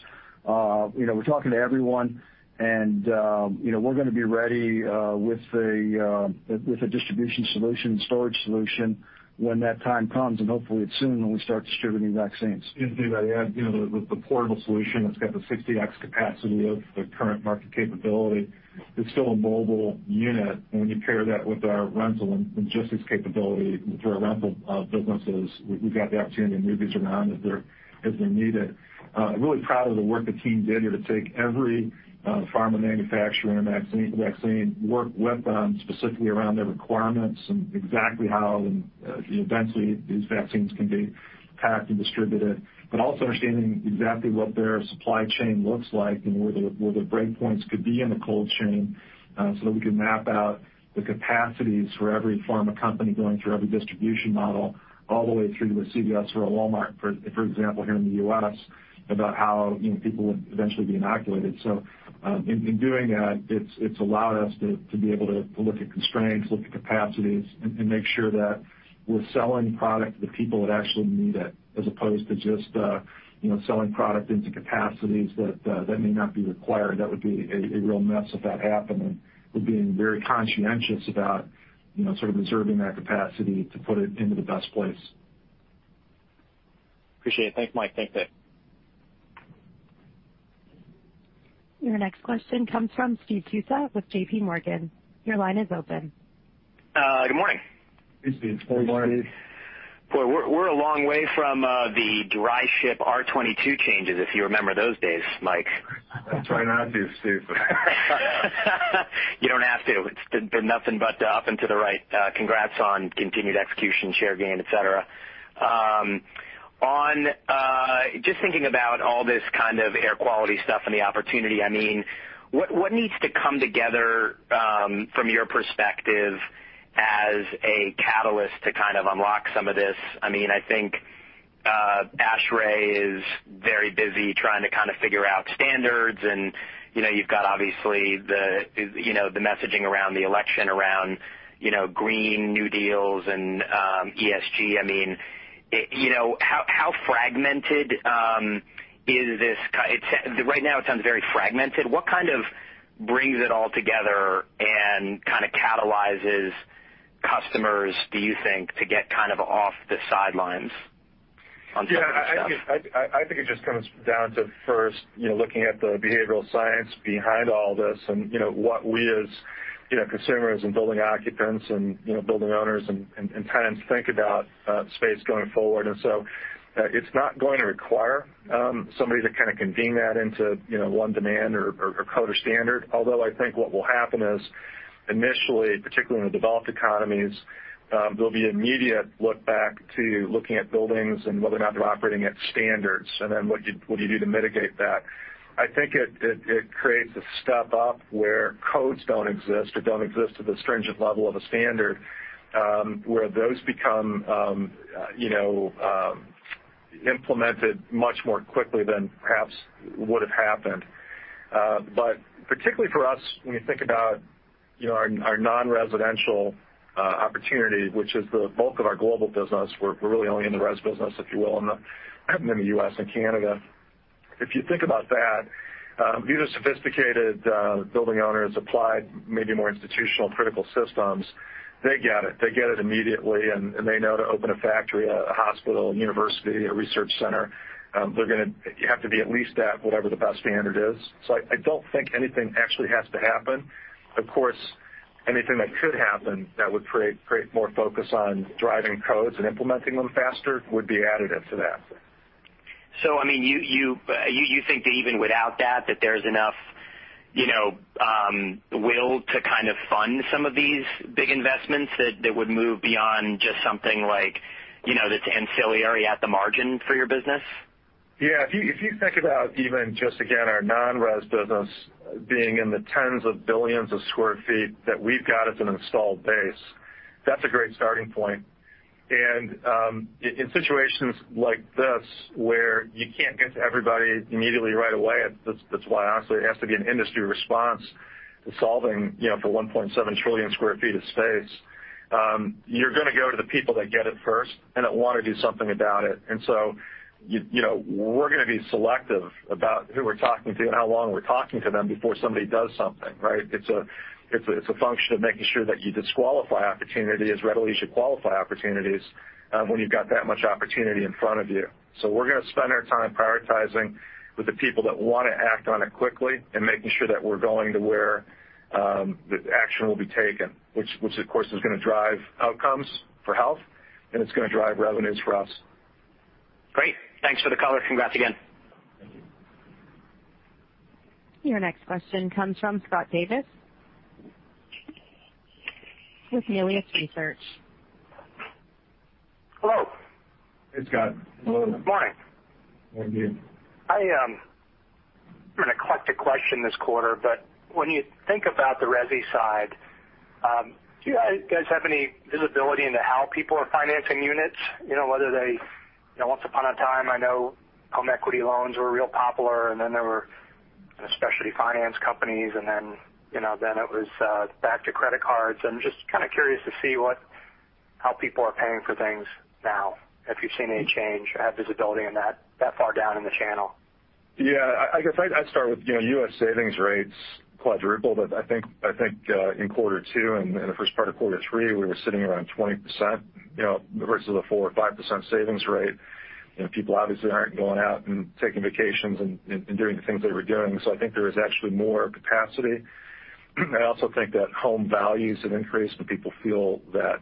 We're talking to everyone, and we're going to be ready with a distribution solution and storage solution when that time comes, and hopefully it's soon when we start distributing vaccines. To that add the portable solution that's got the 60x capacity of the current market capability, it's still a mobile unit. When you pair that with our rental and logistics capability for our rental businesses, we've got the opportunity to move these around as they're needed. I'm really proud of the work the team did here to take every pharma manufacturer and vaccine, work with them specifically around their requirements and exactly how eventually these vaccines can be packed and distributed. Also understanding exactly what their supply chain looks like and where the breakpoints could be in the cold chain so that we can map out the capacities for every pharma company going through every distribution model all the way through to a CVS or a Walmart, for example, here in the U.S., about how people would eventually be inoculated. In doing that, it's allowed us to be able to look at constraints, look at capacities, and make sure that we're selling product to the people that actually need it as opposed to just selling product into capacities that may not be required. That would be a real mess if that happened. We're being very conscientious about sort of reserving that capacity to put it into the best place. Appreciate it. Thanks, Mike. Thanks, Dave. Your next question comes from Steve Tusa with JPMorgan. Your line is open. Good morning. Hey, Steve. Good morning. Boy, we're a long way from the dry ship R-22 changes, if you remember those days, Mike. I try not to, Steve. You don't have to. It's been nothing but up and to the right. Congrats on continued execution, share gain, etc. Just thinking about all this kind of air quality stuff and the opportunity, what needs to come together from your perspective as a catalyst to kind of unlock some of this? I think ASHRAE is very busy trying to kind of figure out standards, and you've got obviously the messaging around the election, around Green New Deals and ESG. How fragmented is this? Right now it sounds very fragmented. What kind of brings it all together and kind of catalyzes customers, do you think, to get kind of off the sidelines on some of this stuff? Yeah, I think it just comes down to first looking at the behavioral science behind all this and what we as consumers and building occupants and building owners and tenants think about space going forward. It's not going to require somebody to kind of convene that into one demand or code or standard. Although I think what will happen is initially, particularly in the developed economies, there'll be immediate look back to looking at buildings and whether or not they're operating at standards, and then what do you do to mitigate that? I think it creates a step up where codes don't exist or don't exist at the stringent level of a standard, where those become implemented much more quickly than perhaps would have happened. Particularly for us, when you think about our non-residential opportunity, which is the bulk of our global business, we're really only in the res business, if you will, in the U.S. and Canada. If you think about that, these are sophisticated building owners, applied maybe more institutional critical systems. They get it. They get it immediately, and they know to open a factory, a hospital, a university, a research center. You have to be at least at whatever the best standard is. I don't think anything actually has to happen. Of course, anything that could happen that would create more focus on driving codes and implementing them faster would be additive to that. You think that even without that there's enough will to kind of fund some of these big investments that would move beyond just something that's ancillary at the margin for your business? Yeah. If you think about even just, again, our non-res business being in the tens of billions of square feet that we've got as an installed base. That's a great starting point. In situations like this, where you can't get to everybody immediately right away, that's why, honestly, it has to be an industry response to solving for 1.7 trillion square feet of space. You're going to go to the people that get it first and that want to do something about it. We're going to be selective about who we're talking to and how long we're talking to them before somebody does something, right? It's a function of making sure that you disqualify opportunities as readily as you qualify opportunities when you've got that much opportunity in front of you. We're going to spend our time prioritizing with the people that want to act on it quickly and making sure that we're going to where the action will be taken, which of course, is going to drive outcomes for health, and it's going to drive revenues for us. Great. Thanks for the color. Congrats again. Your next question comes from Scott Davis with Melius Research. Hello. Hey, Scott. Morning. Thank you. I'm going to collect a question this quarter. When you think about the resi side, do you guys have any visibility into how people are financing units, whether they once upon a time, I know home equity loans were real popular, and then there were specialty finance companies, and then it was back to credit cards? I'm just kind of curious to see how people are paying for things now, if you've seen any change or have visibility in that far down in the channel? Yeah. I guess I'd start with U.S. savings rates quadrupled. I think in quarter two and the first part of quarter three, we were sitting around 20%, versus a 4% or 5% savings rate. People obviously aren't going out and taking vacations and doing the things they were doing. I think there is actually more capacity. I also think that home values have increased, and people feel that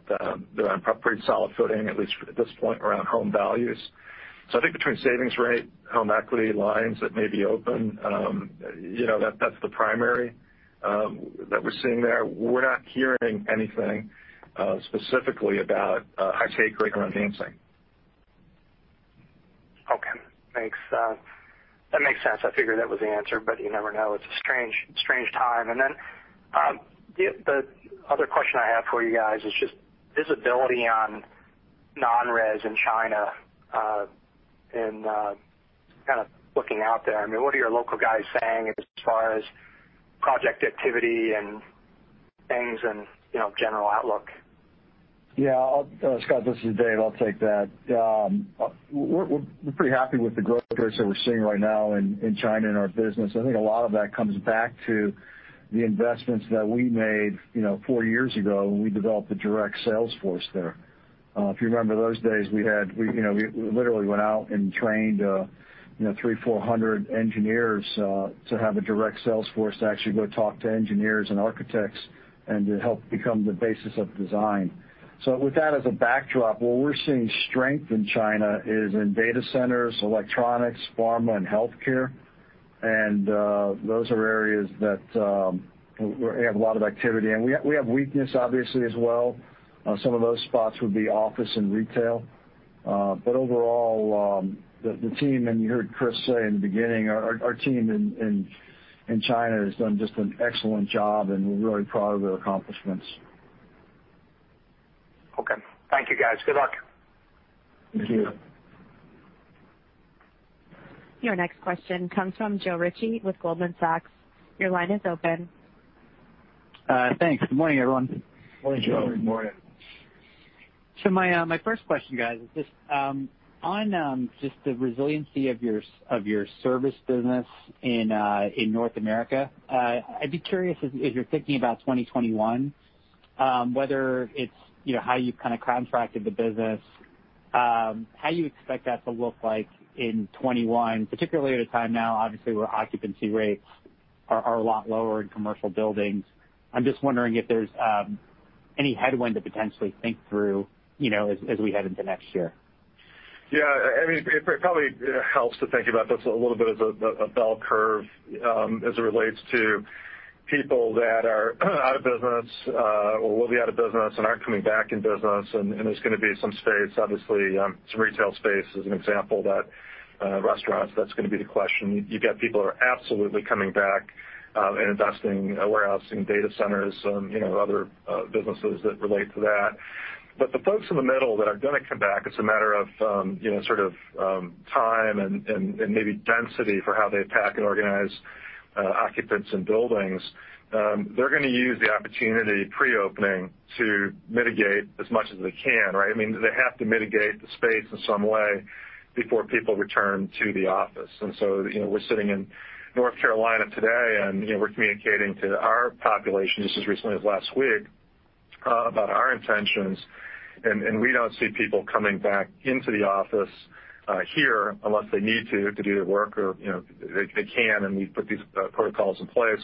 they're on pretty solid footing, at least at this point, around home values. I think between savings rate, home equity lines that may be open, that's the primary that we're seeing there. We're not hearing anything specifically about high take rate around financing. Okay. That makes sense. I figured that was the answer, but you never know. It's a strange time. The other question I have for you guys is just visibility on non-res in China and kind of looking out there. What are your local guys saying as far as project activity and things and general outlook? Yeah. Scott, this is Dave. I'll take that. We're pretty happy with the growth rates that we're seeing right now in China in our business. I think a lot of that comes back to the investments that we made four years ago when we developed the direct sales force there. If you remember those days, we literally went out and trained 300, 400 engineers to have a direct sales force to actually go talk to engineers and architects and to help become the basis of design. With that as a backdrop, where we're seeing strength in China is in data centers, electronics, pharma, and health care. Those are areas that have a lot of activity. We have weakness, obviously, as well. Some of those spots would be office and retail. Overall, the team, and you heard Chris say in the beginning, our team in China has done just an excellent job, and we're really proud of their accomplishments. Okay. Thank you, guys. Good luck. Thank you. Your next question comes from Joe Ritchie with Goldman Sachs. Your line is open. Thanks. Good morning, everyone. Morning, Joe. Morning. My first question, guys, is on the resiliency of your service business in North America. I'd be curious, as you're thinking about 2021, whether it's how you've kind of contracted the business, how you expect that to look like in 2021, particularly at a time now, obviously, where occupancy rates are a lot lower in commercial buildings. I'm just wondering if there's any headwind to potentially think through as we head into next year. It probably helps to think about this a little bit as a bell curve as it relates to people that are out of business or will be out of business and aren't coming back in business. There's going to be some space, obviously, some retail space as an example, that restaurants, that's going to be the question. You got people who are absolutely coming back and investing in warehousing, data centers, other businesses that relate to that. The folks in the middle that are going to come back, it's a matter of sort of time and maybe density for how they pack and organize occupants in buildings. They're going to use the opportunity pre-opening to mitigate as much as they can, right? They have to mitigate the space in some way before people return to the office. We're sitting in North Carolina today, and we're communicating to our population, just as recently as last week, about our intentions, and we don't see people coming back into the office here unless they need to do their work, or they can, and we've put these protocols in place.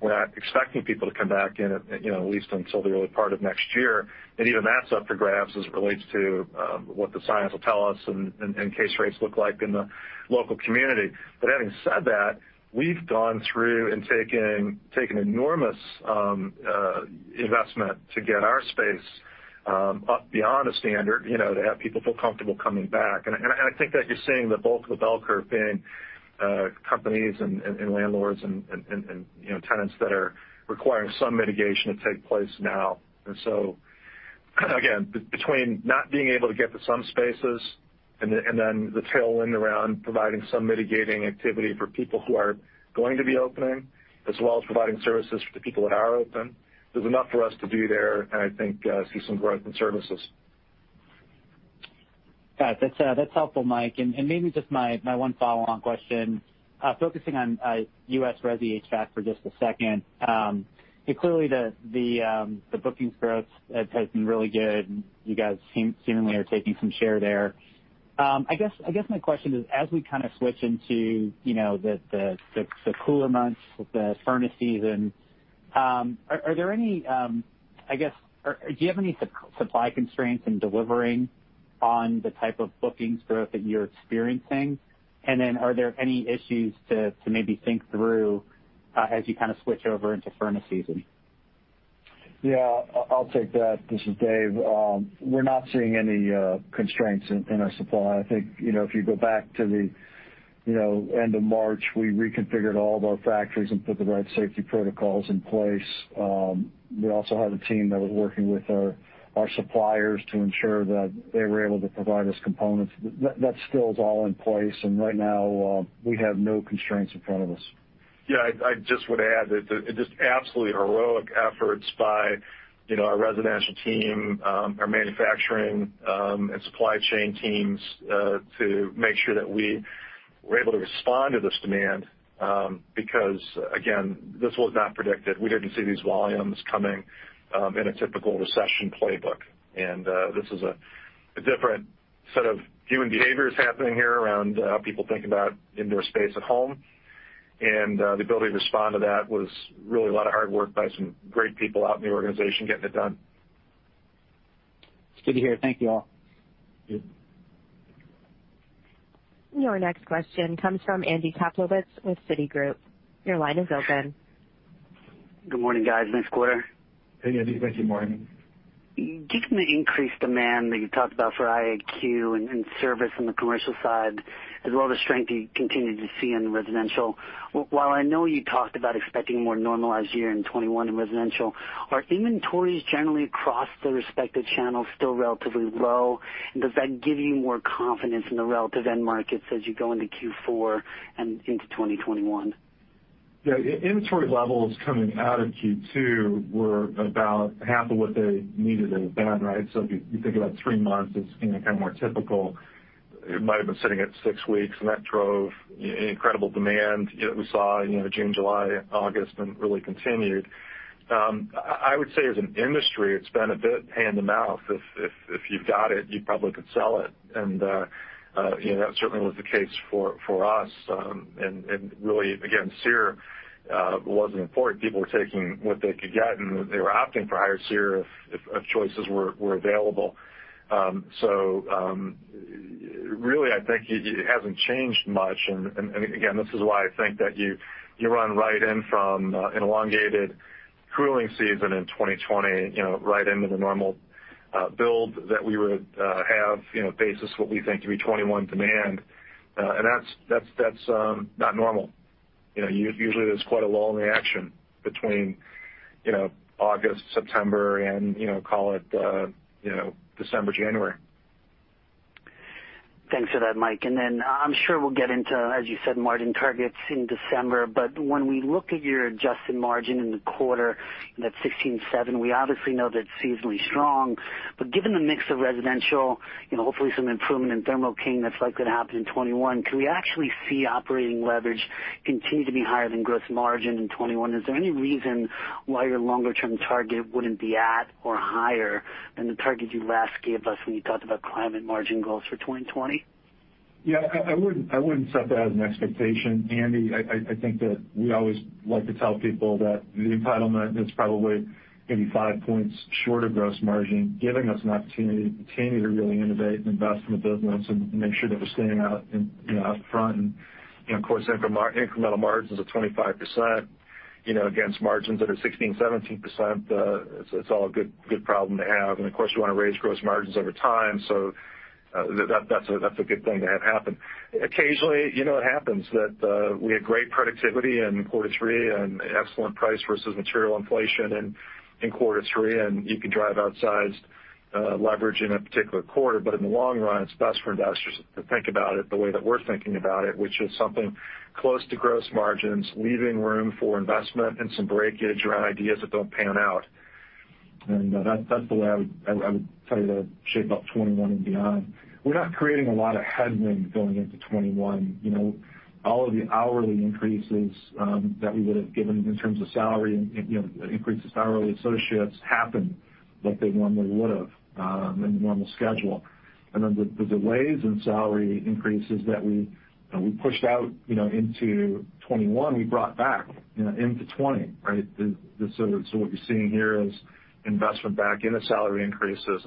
We're not expecting people to come back in, at least until the early part of next year. Even that's up for grabs as it relates to what the science will tell us and case rates look like in the local community. Having said that, we've gone through and taken enormous investment to get our space up beyond a standard, to have people feel comfortable coming back. I think that you're seeing the bulk of the bell curve being companies and landlords and tenants that are requiring some mitigation to take place now. Again, between not being able to get to some spaces and then the tailwind around providing some mitigating activity for people who are going to be opening, as well as providing services for the people that are open, there's enough for us to do there, and I think see some growth in services. Got it. That's helpful, Mike. Maybe just my one follow-on question, focusing on U.S. resi HVAC for just a second. Clearly, the bookings growth has been really good, and you guys seemingly are taking some share there. I guess my question is, as we switch into the cooler months with the furnace season, do you have any supply constraints in delivering on the type of bookings growth that you're experiencing? Then are there any issues to maybe think through as you switch over into furnace season? Yeah, I'll take that. This is Dave. We're not seeing any constraints in our supply. I think, if you go back to the end of March, we reconfigured all of our factories and put the right safety protocols in place. We also had a team that was working with our suppliers to ensure that they were able to provide us components. That still is all in place, and right now, we have no constraints in front of us. Yeah, I just would add that just absolutely heroic efforts by our residential team, our manufacturing, and supply chain teams, to make sure that we were able to respond to this demand, because, again, this was not predicted. We didn't see these volumes coming in a typical recession playbook. This is a different set of human behaviors happening here around how people think about indoor space at home. The ability to respond to that was really a lot of hard work by some great people out in the organization getting it done. It's good to hear. Thank you, all. Yeah. Your next question comes from Andy Kaplowitz with Citigroup. Your line is open. Good morning, guys. Nice quarter. Hey, Andy. Thank you. Morning. Given the increased demand that you talked about for IAQ and service on the commercial side, as well as the strength you continue to see in residential, while I know you talked about expecting a more normalized year in 2021 in residential, are inventories generally across the respective channels still relatively low? Does that give you more confidence in the relative end markets as you go into Q4 and into 2021? Yeah. Inventory levels coming out of Q2 were about half of what they needed to have been, right? If you think about three months as kind of more typical, it might have been sitting at six weeks, and that drove incredible demand that we saw June, July, August, and it really continued. I would say as an industry, it's been a bit hand-to-mouth. If you've got it, you probably could sell it. That certainly was the case for us. Really, again, SEER wasn't important. People were taking what they could get, and they were opting for higher SEER if choices were available. Really, I think it hasn't changed much. Again, this is why I think that you run right in from an elongated cooling season in 2020 right into the normal build that we would have basis what we think to be 2021 demand. That's not normal. Usually, there's quite a lull in the action between August, September, and call it December, January. Thanks for that, Mike. I'm sure we'll get into, as you said, margin targets in December, but when we look at your adjusted margin in the quarter, that 16.7, we obviously know that's seasonally strong. Given the mix of residential, hopefully some improvement in Thermo King that's likely to happen in 2021, can we actually see operating leverage continue to be higher than gross margin in 2021? Is there any reason why your longer-term target wouldn't be at or higher than the target you last gave us when you talked about climate margin goals for 2020? Yeah, I wouldn't set that as an expectation, Andy. I think that we always like to tell people that the entitlement is probably maybe 5 points short of gross margin, giving us an opportunity to continue to really innovate and invest in the business and make sure that we're staying out in front. Of course, incremental margins of 25% against margins that are 16%, 17%, it's all a good problem to have. Of course, you want to raise gross margins over time, that's a good thing to have happen. Occasionally, it happens that we had great productivity in quarter three, excellent price versus material inflation in quarter three, you can drive outsized leverage in a particular quarter. In the long run, it's best for investors to think about it the way that we're thinking about it, which is something close to gross margins, leaving room for investment and some breakage around ideas that don't pan out. That's the way I would tell you to shape up 2021 and beyond. We're not creating a lot of headwind going into 2021. All of the hourly increases that we would have given in terms of salary, increases to hourly associates happened like they normally would have in the normal schedule. Then the delays in salary increases that we pushed out into 2021, we brought back into 2020, right? What you're seeing here is investment back into salary increases.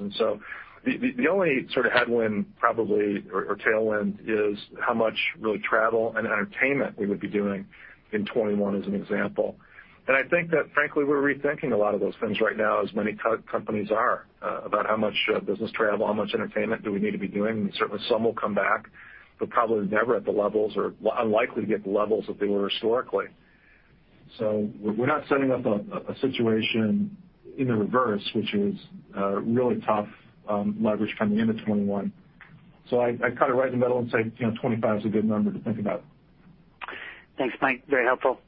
The only sort of headwind probably, or tailwind, is how much really travel and entertainment we would be doing in 2021, as an example. I think that frankly, we're rethinking a lot of those things right now, as many companies are, about how much business travel, how much entertainment do we need to be doing. Certainly, some will come back, but probably never at the levels or unlikely to get the levels that they were historically. We're not setting up a situation in the reverse, which is really tough leverage coming into 2021. I cut it right in the middle and say 25 is a good number to think about. Thanks, Mike. Very helpful.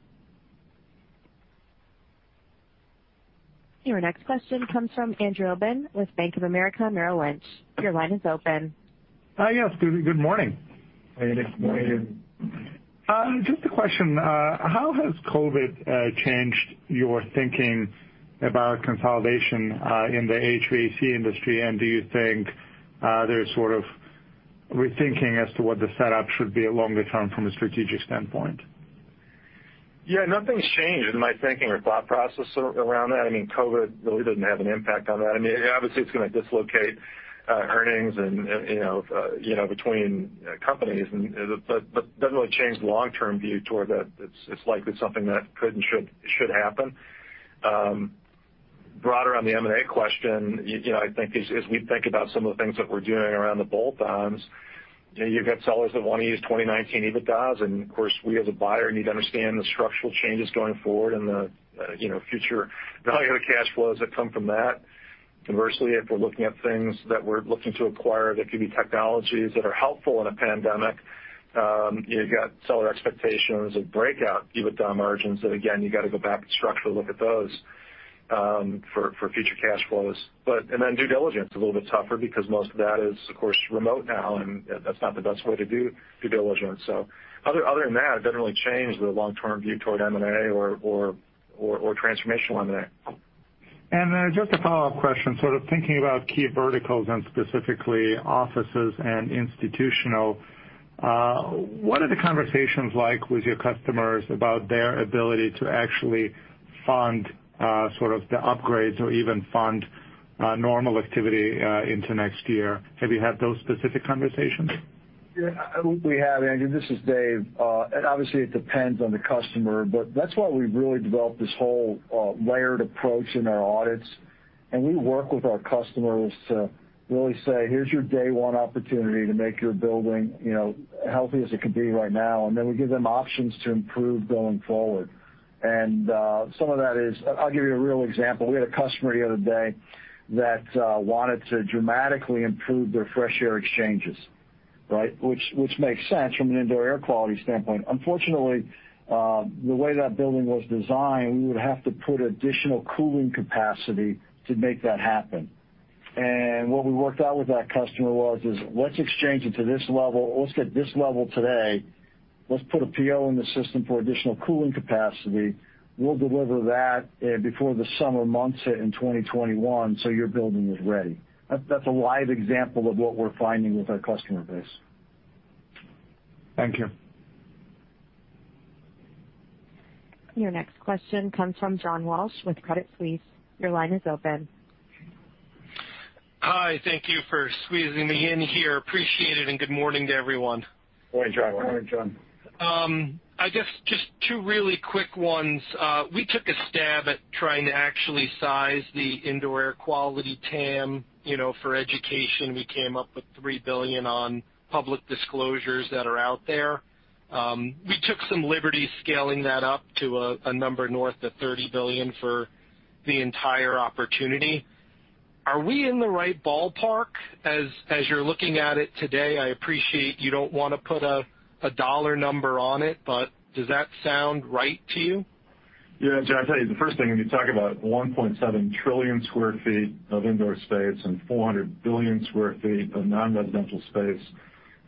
Your next question comes from Andrew Obin with Bank of America Merrill Lynch. Your line is open. Hi. Yes, good morning. Good morning. Just a question. How has COVID changed your thinking about consolidation in the HVAC industry, and do you think there's sort of rethinking as to what the setup should be longer term from a strategic standpoint? Yeah, nothing's changed in my thinking or thought process around that. COVID really doesn't have an impact on that. Obviously, it's going to dislocate earnings between companies, but doesn't really change the long-term view toward that it's likely something that could and should happen. Broader on the M&A question, as we think about some of the things that we're doing around the bolt-ons, you've got sellers that want to use 2019 EBITDAs, and of course, we as a buyer need to understand the structural changes going forward and the future value of the cash flows that come from that. Conversely, if we're looking at things that we're looking to acquire, that could be technologies that are helpful in a pandemic. You've got seller expectations of breakout EBITDA margins that, again, you got to go back and structurally look at those for future cash flows. Due diligence is a little bit tougher because most of that is, of course, remote now, and that's not the best way to do due diligence. Other than that, it doesn't really change the long-term view toward M&A or transformational M&A. Just a follow-up question, sort of thinking about key verticals and specifically offices and institutional, what are the conversations like with your customers about their ability to actually fund the upgrades or even fund normal activity into next year? Have you had those specific conversations? We have, Andrew. This is Dave. Obviously, it depends on the customer, but that's why we've really developed this whole layered approach in our audits, and we work with our customers to really say, "Here's your day 1 opportunity to make your building healthy as it can be right now." Then we give them options to improve going forward. Some of that, I'll give you a real example. We had a customer the other day that wanted to dramatically improve their fresh air exchanges, which makes sense from an indoor air quality standpoint. Unfortunately, the way that building was designed, we would have to put additional cooling capacity to make that happen. What we worked out with that customer was, let's exchange it to this level. Let's get this level today. Let's put a PO in the system for additional cooling capacity. We'll deliver that before the summer months hit in 2021, so your building is ready. That's a live example of what we're finding with our customer base. Thank you. Your next question comes from John Walsh with Credit Suisse. Your line is open. Hi. Thank you for squeezing me in here. Appreciate it, and good morning to everyone. Morning, John. Morning, John. I guess just two really quick ones. We took a stab at trying to actually size the indoor air quality TAM for education. We came up with $3 billion on public disclosures that are out there. We took some liberties scaling that up to a number north of $30 billion for the entire opportunity. Are we in the right ballpark as you're looking at it today? I appreciate you don't want to put a dollar number on it, does that sound right to you? John, I tell you, the first thing, when you talk about 1.7 trillion square feet of indoor space and 400 billion square feet of non-residential space,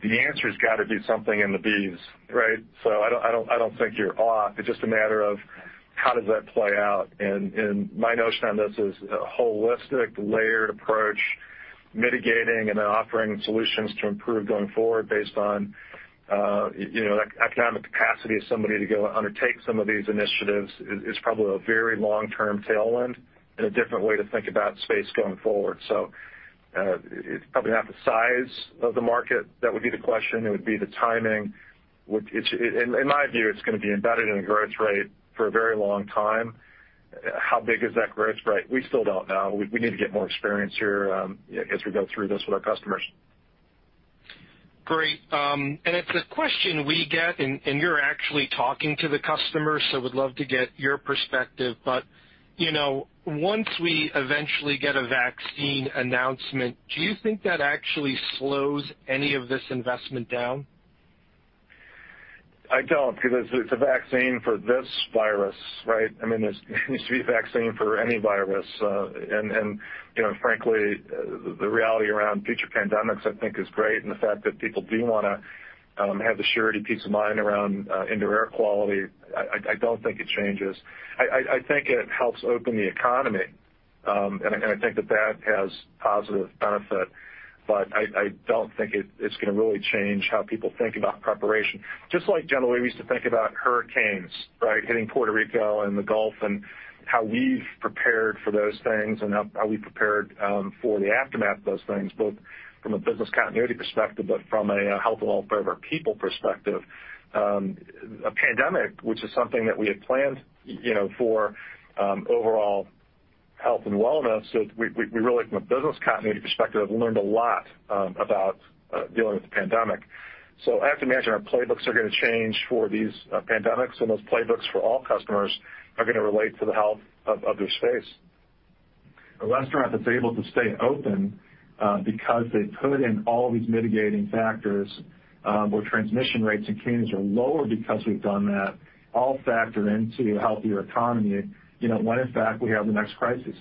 the answer's got to be something in the Bs, right? I don't think you're off. It's just a matter of how does that play out. My notion on this is a holistic, layered approach, mitigating and then offering solutions to improve going forward based on economic capacity of somebody to go undertake some of these initiatives is probably a very long-term tailwind and a different way to think about space going forward. It's probably not the size of the market that would be the question. It would be the timing, which in my view, it's going to be embedded in a growth rate for a very long time. How big is that growth rate? We still don't know. We need to get more experience here as we go through this with our customers. Great. It's a question we get, and you're actually talking to the customers, so would love to get your perspective. Once we eventually get a vaccine announcement, do you think that actually slows any of this investment down? I don't, because it's a vaccine for this virus. There needs to be a vaccine for any virus. Frankly, the reality around future pandemics, I think, is great. The fact that people do want to have the surety peace of mind around indoor air quality, I don't think it changes. I think it helps open the economy, and I think that that has positive benefit. I don't think it's going to really change how people think about preparation. Just like generally we used to think about hurricanes hitting Puerto Rico and the Gulf and how we've prepared for those things and how we prepared for the aftermath of those things, both from a business continuity perspective, but from a health and welfare of our people perspective. A pandemic, which is something that we had planned for overall health and wellness, we really, from a business continuity perspective, have learned a lot about dealing with the pandemic. I have to imagine our playbooks are going to change for these pandemics, and those playbooks for all customers are going to relate to the health of their space. A restaurant that's able to stay open because they put in all these mitigating factors where transmission rates and cases are lower because we've done that all factor into a healthier economy, when in fact, we have the next crisis.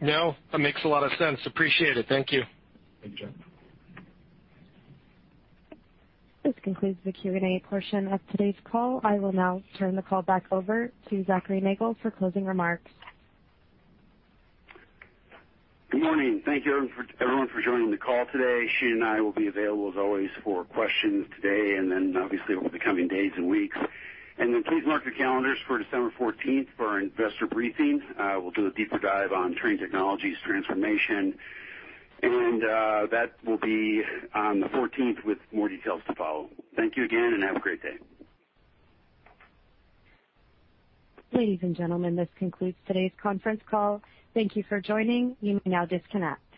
No, that makes a lot of sense. Appreciate it. Thank you. Thank you. This concludes the Q&A portion of today's call. I will now turn the call back over to Zachary Nagle for closing remarks. Good morning. Thank you, everyone, for joining the call today. Shane and I will be available as always for questions today and then obviously over the coming days and weeks. Please mark your calendars for December 14th for our investor briefing. We'll do a deeper dive on Trane Technologies transformation, and that will be on the 14th with more details to follow. Thank you again, and have a great day. Ladies and gentlemen, this concludes today's conference call. Thank you for joining. You may now disconnect.